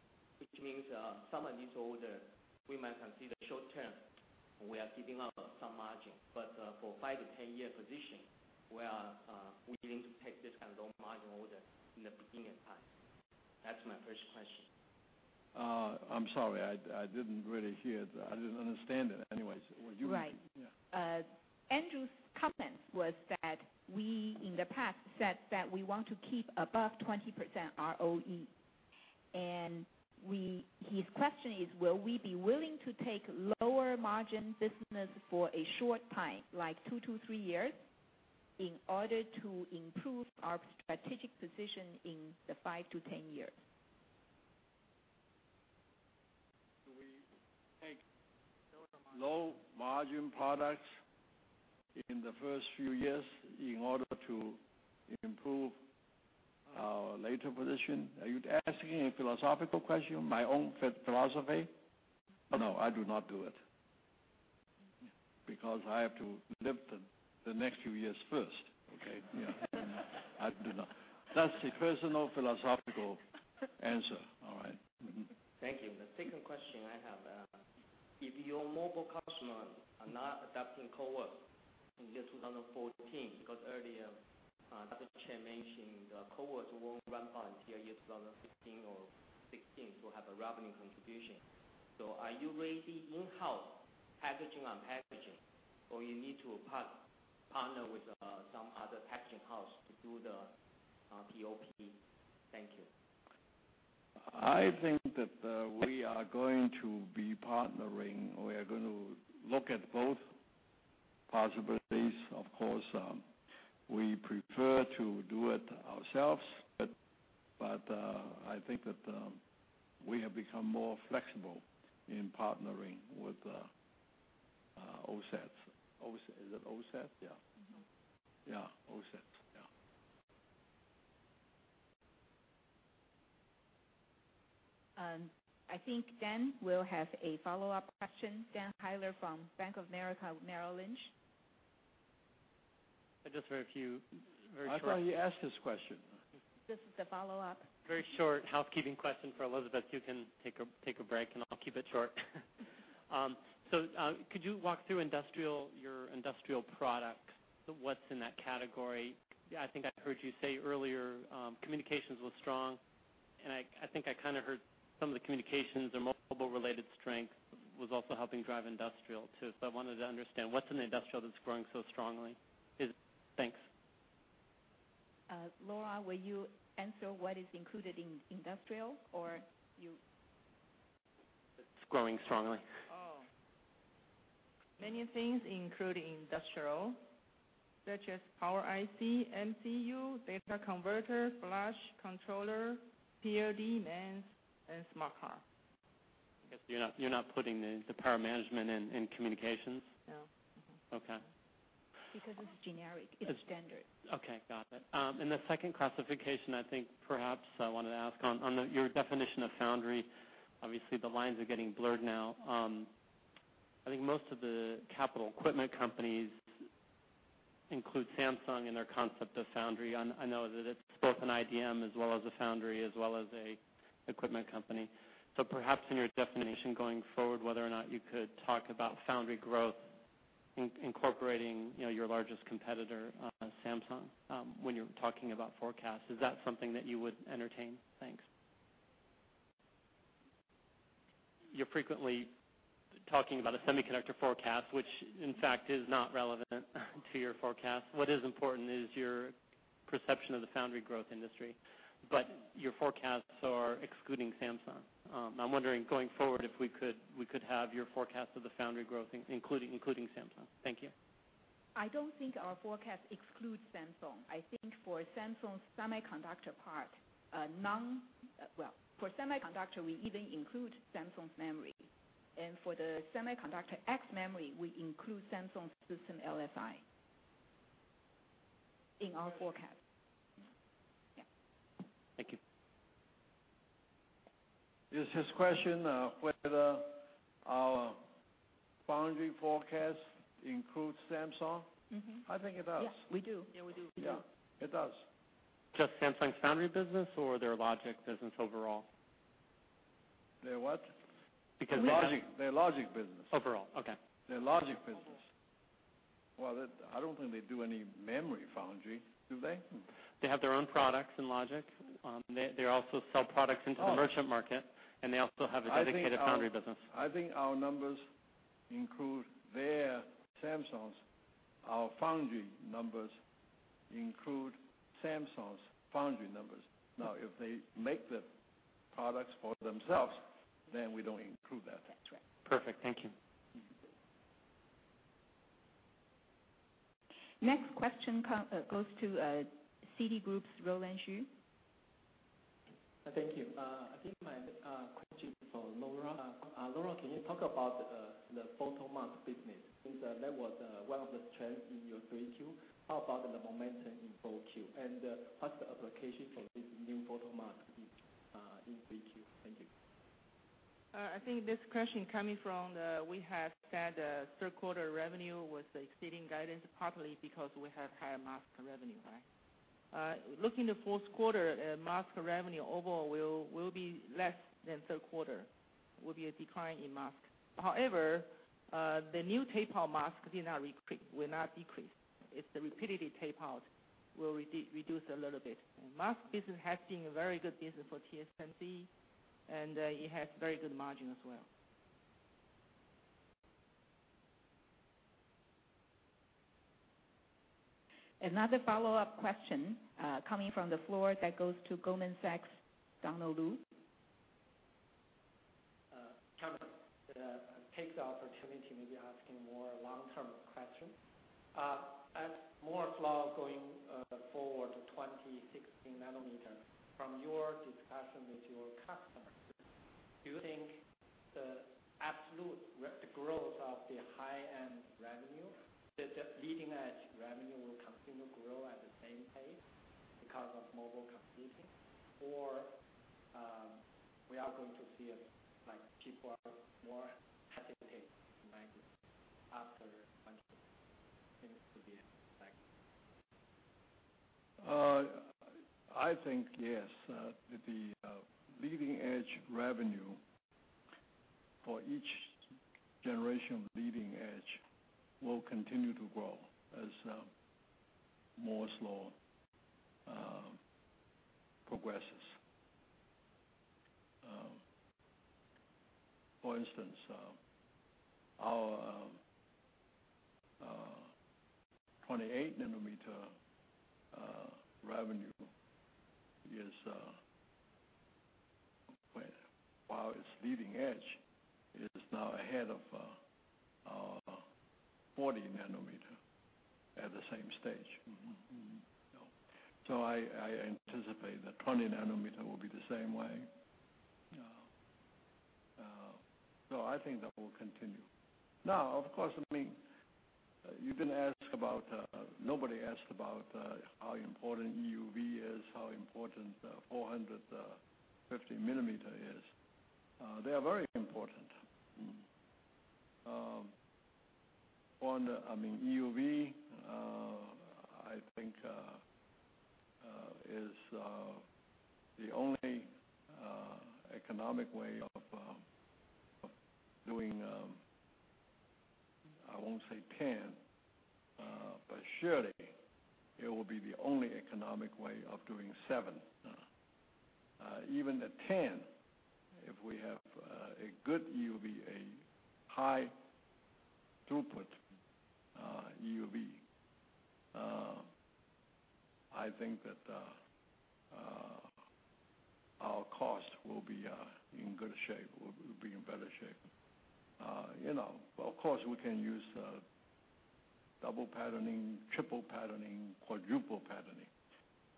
which means some of these orders we might consider short-term, we are giving up some margin. For 5 to 10-year position, we are willing to take this kind of low margin order in the beginning time. That's my first question. I'm sorry, I didn't really hear. I didn't understand it. Anyways. Right. Yeah. Andrew's comment was that we, in the past, said that we want to keep above 20% ROE. His question is, will we be willing to take lower margin business for a short time, like 2 to 3 years, in order to improve our strategic position in the 5 to 10 years? Do we take- Lower margin low margin products in the first few years in order to improve our later position? Are you asking a philosophical question? My own philosophy? No, I do not do it, because I have to live the next few years first, okay? Yeah. I do not. That's a personal philosophical answer. All right. Mm-hmm. Thank you. The second question I have, if your mobile customers are not adopting CoWoS in year 2014, because earlier, Dr. Chiang mentioned the CoWoS won't ramp up until year 2015 or 2016 to have a revenue contribution. Are you raising in-house packaging on packaging, or you need to partner with some other packaging house to do the PoP? Thank you. I think that we are going to be partnering, or we are going to look at both possibilities. Of course, we prefer to do it ourselves. I think that we have become more flexible in partnering with OSAT. Is it OSAT? Yeah. Yeah, OSAT. Yeah. I think Dan will have a follow-up question. Dan Heyler from Bank of America Merrill Lynch. Just very few, very short- I thought you asked this question. This is the follow-up. Very short housekeeping question for Elizabeth. You can take a break, and I'll keep it short. Could you walk through your industrial products? What's in that category? I think I heard you say earlier communications was strong, and I think I heard some of the communications or mobile-related strength was also helping drive industrial too. I wanted to understand, what's in industrial that's growing so strongly? Thanks. Lora, will you answer what is included in industrial or you That's growing strongly. Oh. Many things included in industrial, such as power IC, MCU, data converter, flash controller, POD, MEMS, and smart card. I guess you're not putting the power management in communications? No. Okay. This is generic. It's standard. Okay, got it. The second classification, I think perhaps I wanted to ask on your definition of foundry. Obviously, the lines are getting blurred now. I think most of the capital equipment companies include Samsung in their concept of foundry. I know that it's both an IDM as well as a foundry, as well as an equipment company. So perhaps in your definition going forward, whether or not you could talk about foundry growth incorporating your largest competitor, Samsung, when you're talking about forecast. Is that something that you would entertain? Thanks. You're frequently talking about a semiconductor forecast, which in fact is not relevant to your forecast. What is important is your perception of the foundry growth industry, but your forecasts are excluding Samsung. I'm wondering, going forward, if we could have your forecast of the foundry growth including Samsung. Thank you. I don't think our forecast excludes Samsung. I think for Samsung's semiconductor part, well, for semiconductor, we even include Samsung's memory. For the semiconductor ex-memory, we include Samsung's System LSI in our forecast. Thank you. Is his question whether our foundry forecast includes Samsung? I think it does. Yes, we do. Yeah, we do. Yeah, it does. Just Samsung's foundry business or their logic business overall? Their what? Because they have- Their logic business. Overall. Okay. Their logic business. Well, I don't think they do any memory foundry, do they? They have their own products in logic. They also sell products into the merchant market. They also have a dedicated foundry business. I think our numbers include Samsung's. Our foundry numbers include Samsung's foundry numbers. If they make the products for themselves, then we don't include that. That's right. Perfect. Thank you. Next question goes to Citigroup's Roland Shu. Thank you. I think my question is for Lora. Lora, can you talk about the photomask business, since that was one of the trends in your 3Q? How about the momentum in 4Q, and what's the application for this new photomask in 3Q? Thank you. I think this question coming from, we have said third quarter revenue was exceeding guidance partly because we have higher mask revenue. Looking to fourth quarter, mask revenue overall will be less than third quarter, will be a decline in mask. However, the new tape-out mask will not decrease. It's the repeatedly tape-out will reduce a little bit. Mask business has been a very good business for TSMC, and it has very good margin as well. Another follow-up question coming from the floor that goes to Goldman Sachs, Donald Lu. I'll take the opportunity to maybe ask a more long-term question. As Moore's Law going forward to 16 nanometer, from your discussion with your customers, do you think the absolute growth of the high-end revenue, the leading-edge revenue, will continue to grow at the same pace because of mobile computing, or we are going to see people are more hesitant to migrate after 16 nanometer? Thank you. I think yes, the leading-edge revenue for each generation leading edge will continue to grow as Moore's Law progresses. For instance, our 28-nanometer revenue is, while it's leading edge, it is now ahead of our 40 nanometer at the same stage. I anticipate that 20 nanometer will be the same way. I think that will continue. Of course, nobody asked about how important EUV is, how important 450 millimeters is. They are very important. EUV, I think, is the only economic way of doing, I won't say ten, but surely it will be the only economic way of doing seven. Even at ten, if we have a good EUV, a high throughput EUV, I think that our cost will be in good shape, will be in better shape. Of course, we can use double patterning, triple patterning, quadruple patterning,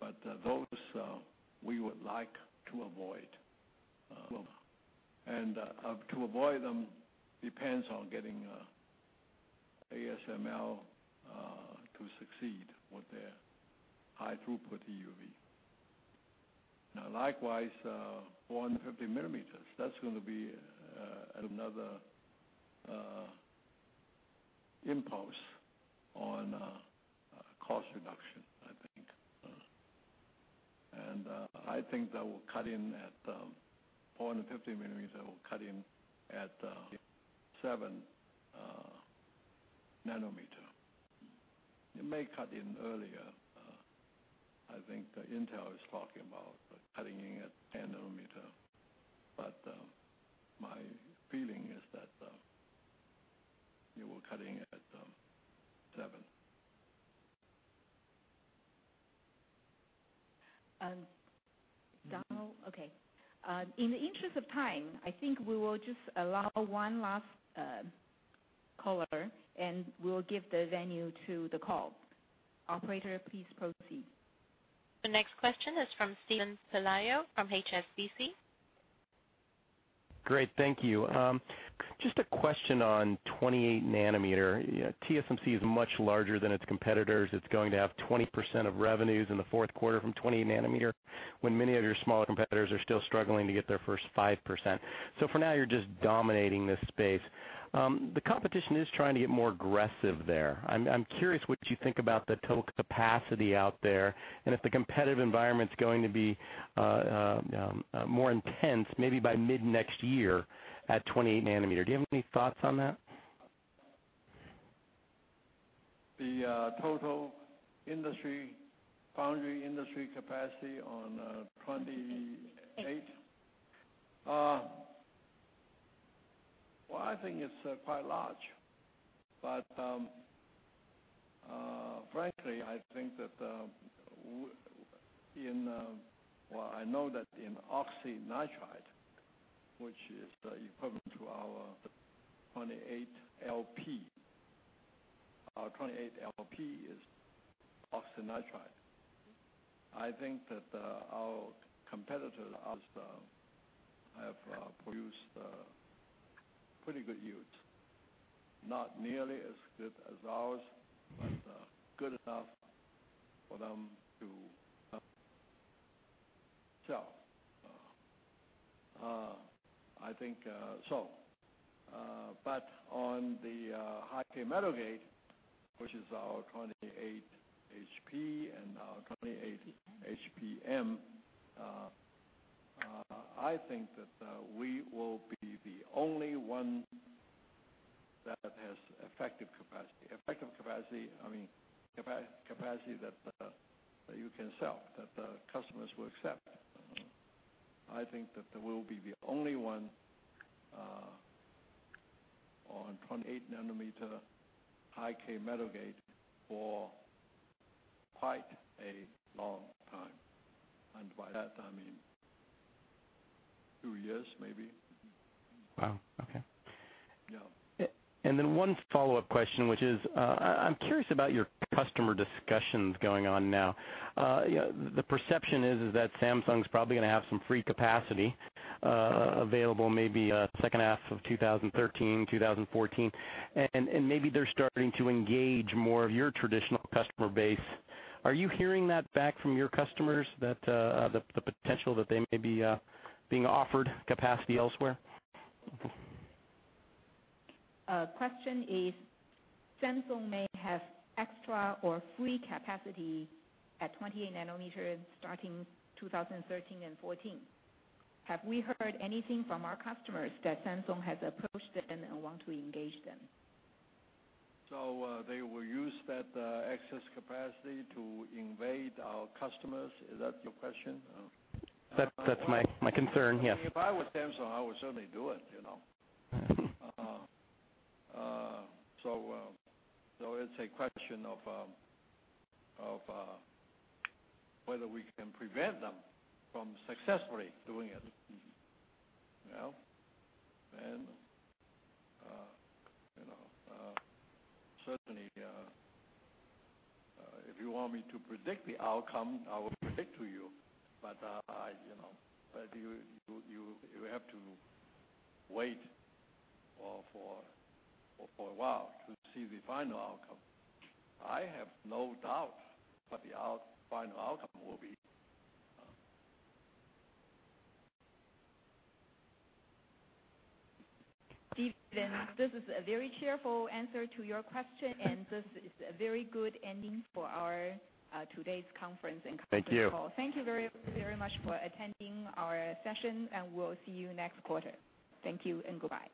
but those we would like to avoid. Sure. To avoid them depends on getting ASML to succeed with their high throughput EUV. Likewise, 450 millimeters, that's going to be another impulse on cost reduction, I think. I think that will cut in at, 450 millimeters will cut in at 7 nanometer. It may cut in earlier. I think Intel is talking about cutting in at 10 nanometer. My feeling is that we're cutting at seven. Donald? Okay. In the interest of time, I think we will just allow one last caller, and we will give the venue to the call. Operator, please proceed. The next question is from Steven Pelayo from HSBC. Great. Thank you. Just a question on 28 nanometer. TSMC is much larger than its competitors. It's going to have 20% of revenues in the fourth quarter from 28 nanometer, when many of your smaller competitors are still struggling to get their first 5%. For now, you're just dominating this space. The competition is trying to get more aggressive there. I'm curious what you think about the total capacity out there and if the competitive environment's going to be more intense, maybe by mid-next year at 28 nanometer. Do you have any thoughts on that? The total foundry industry capacity on 28? Well, I think it's quite large, but frankly, I know that in oxynitride, which is equivalent to our 28 LP. Our 28 LP is oxynitride. I think that our competitors also have produced pretty good yields, not nearly as good as ours, but good enough for them to sell. I think so. On the high-K metal gate, which is our 28 HP and our 28 HPM, I think that we will be the only one that has effective capacity. Effective capacity, I mean capacity that you can sell, that the customers will accept. I think that we will be the only one on 28 nanometer high-K metal gate for quite a long time. By that, I mean two years, maybe. Wow, okay. Yeah. Then one follow-up question, which is, I'm curious about your customer discussions going on now. The perception is that Samsung's probably going to have some free capacity available, maybe second half of 2013, 2014. Maybe they're starting to engage more of your traditional customer base. Are you hearing that back from your customers, the potential that they may be being offered capacity elsewhere? Question is, Samsung may have extra or free capacity at 28 nanometer starting 2013 and 2014. Have we heard anything from our customers that Samsung has approached them and want to engage them? They will use that excess capacity to invade our customers? Is that your question? That's my concern, yes. If I was Samsung, I would certainly do it. It's a question of whether we can prevent them from successfully doing it. Certainly, if you want me to predict the outcome, I will predict to you, but you have to wait for a while to see the final outcome. I have no doubt what the final outcome will be. Steve, this is a very cheerful answer to your question, and this is a very good ending for our today's conference and conference call. Thank you. Thank you very much for attending our session, we'll see you next quarter. Thank you and goodbye.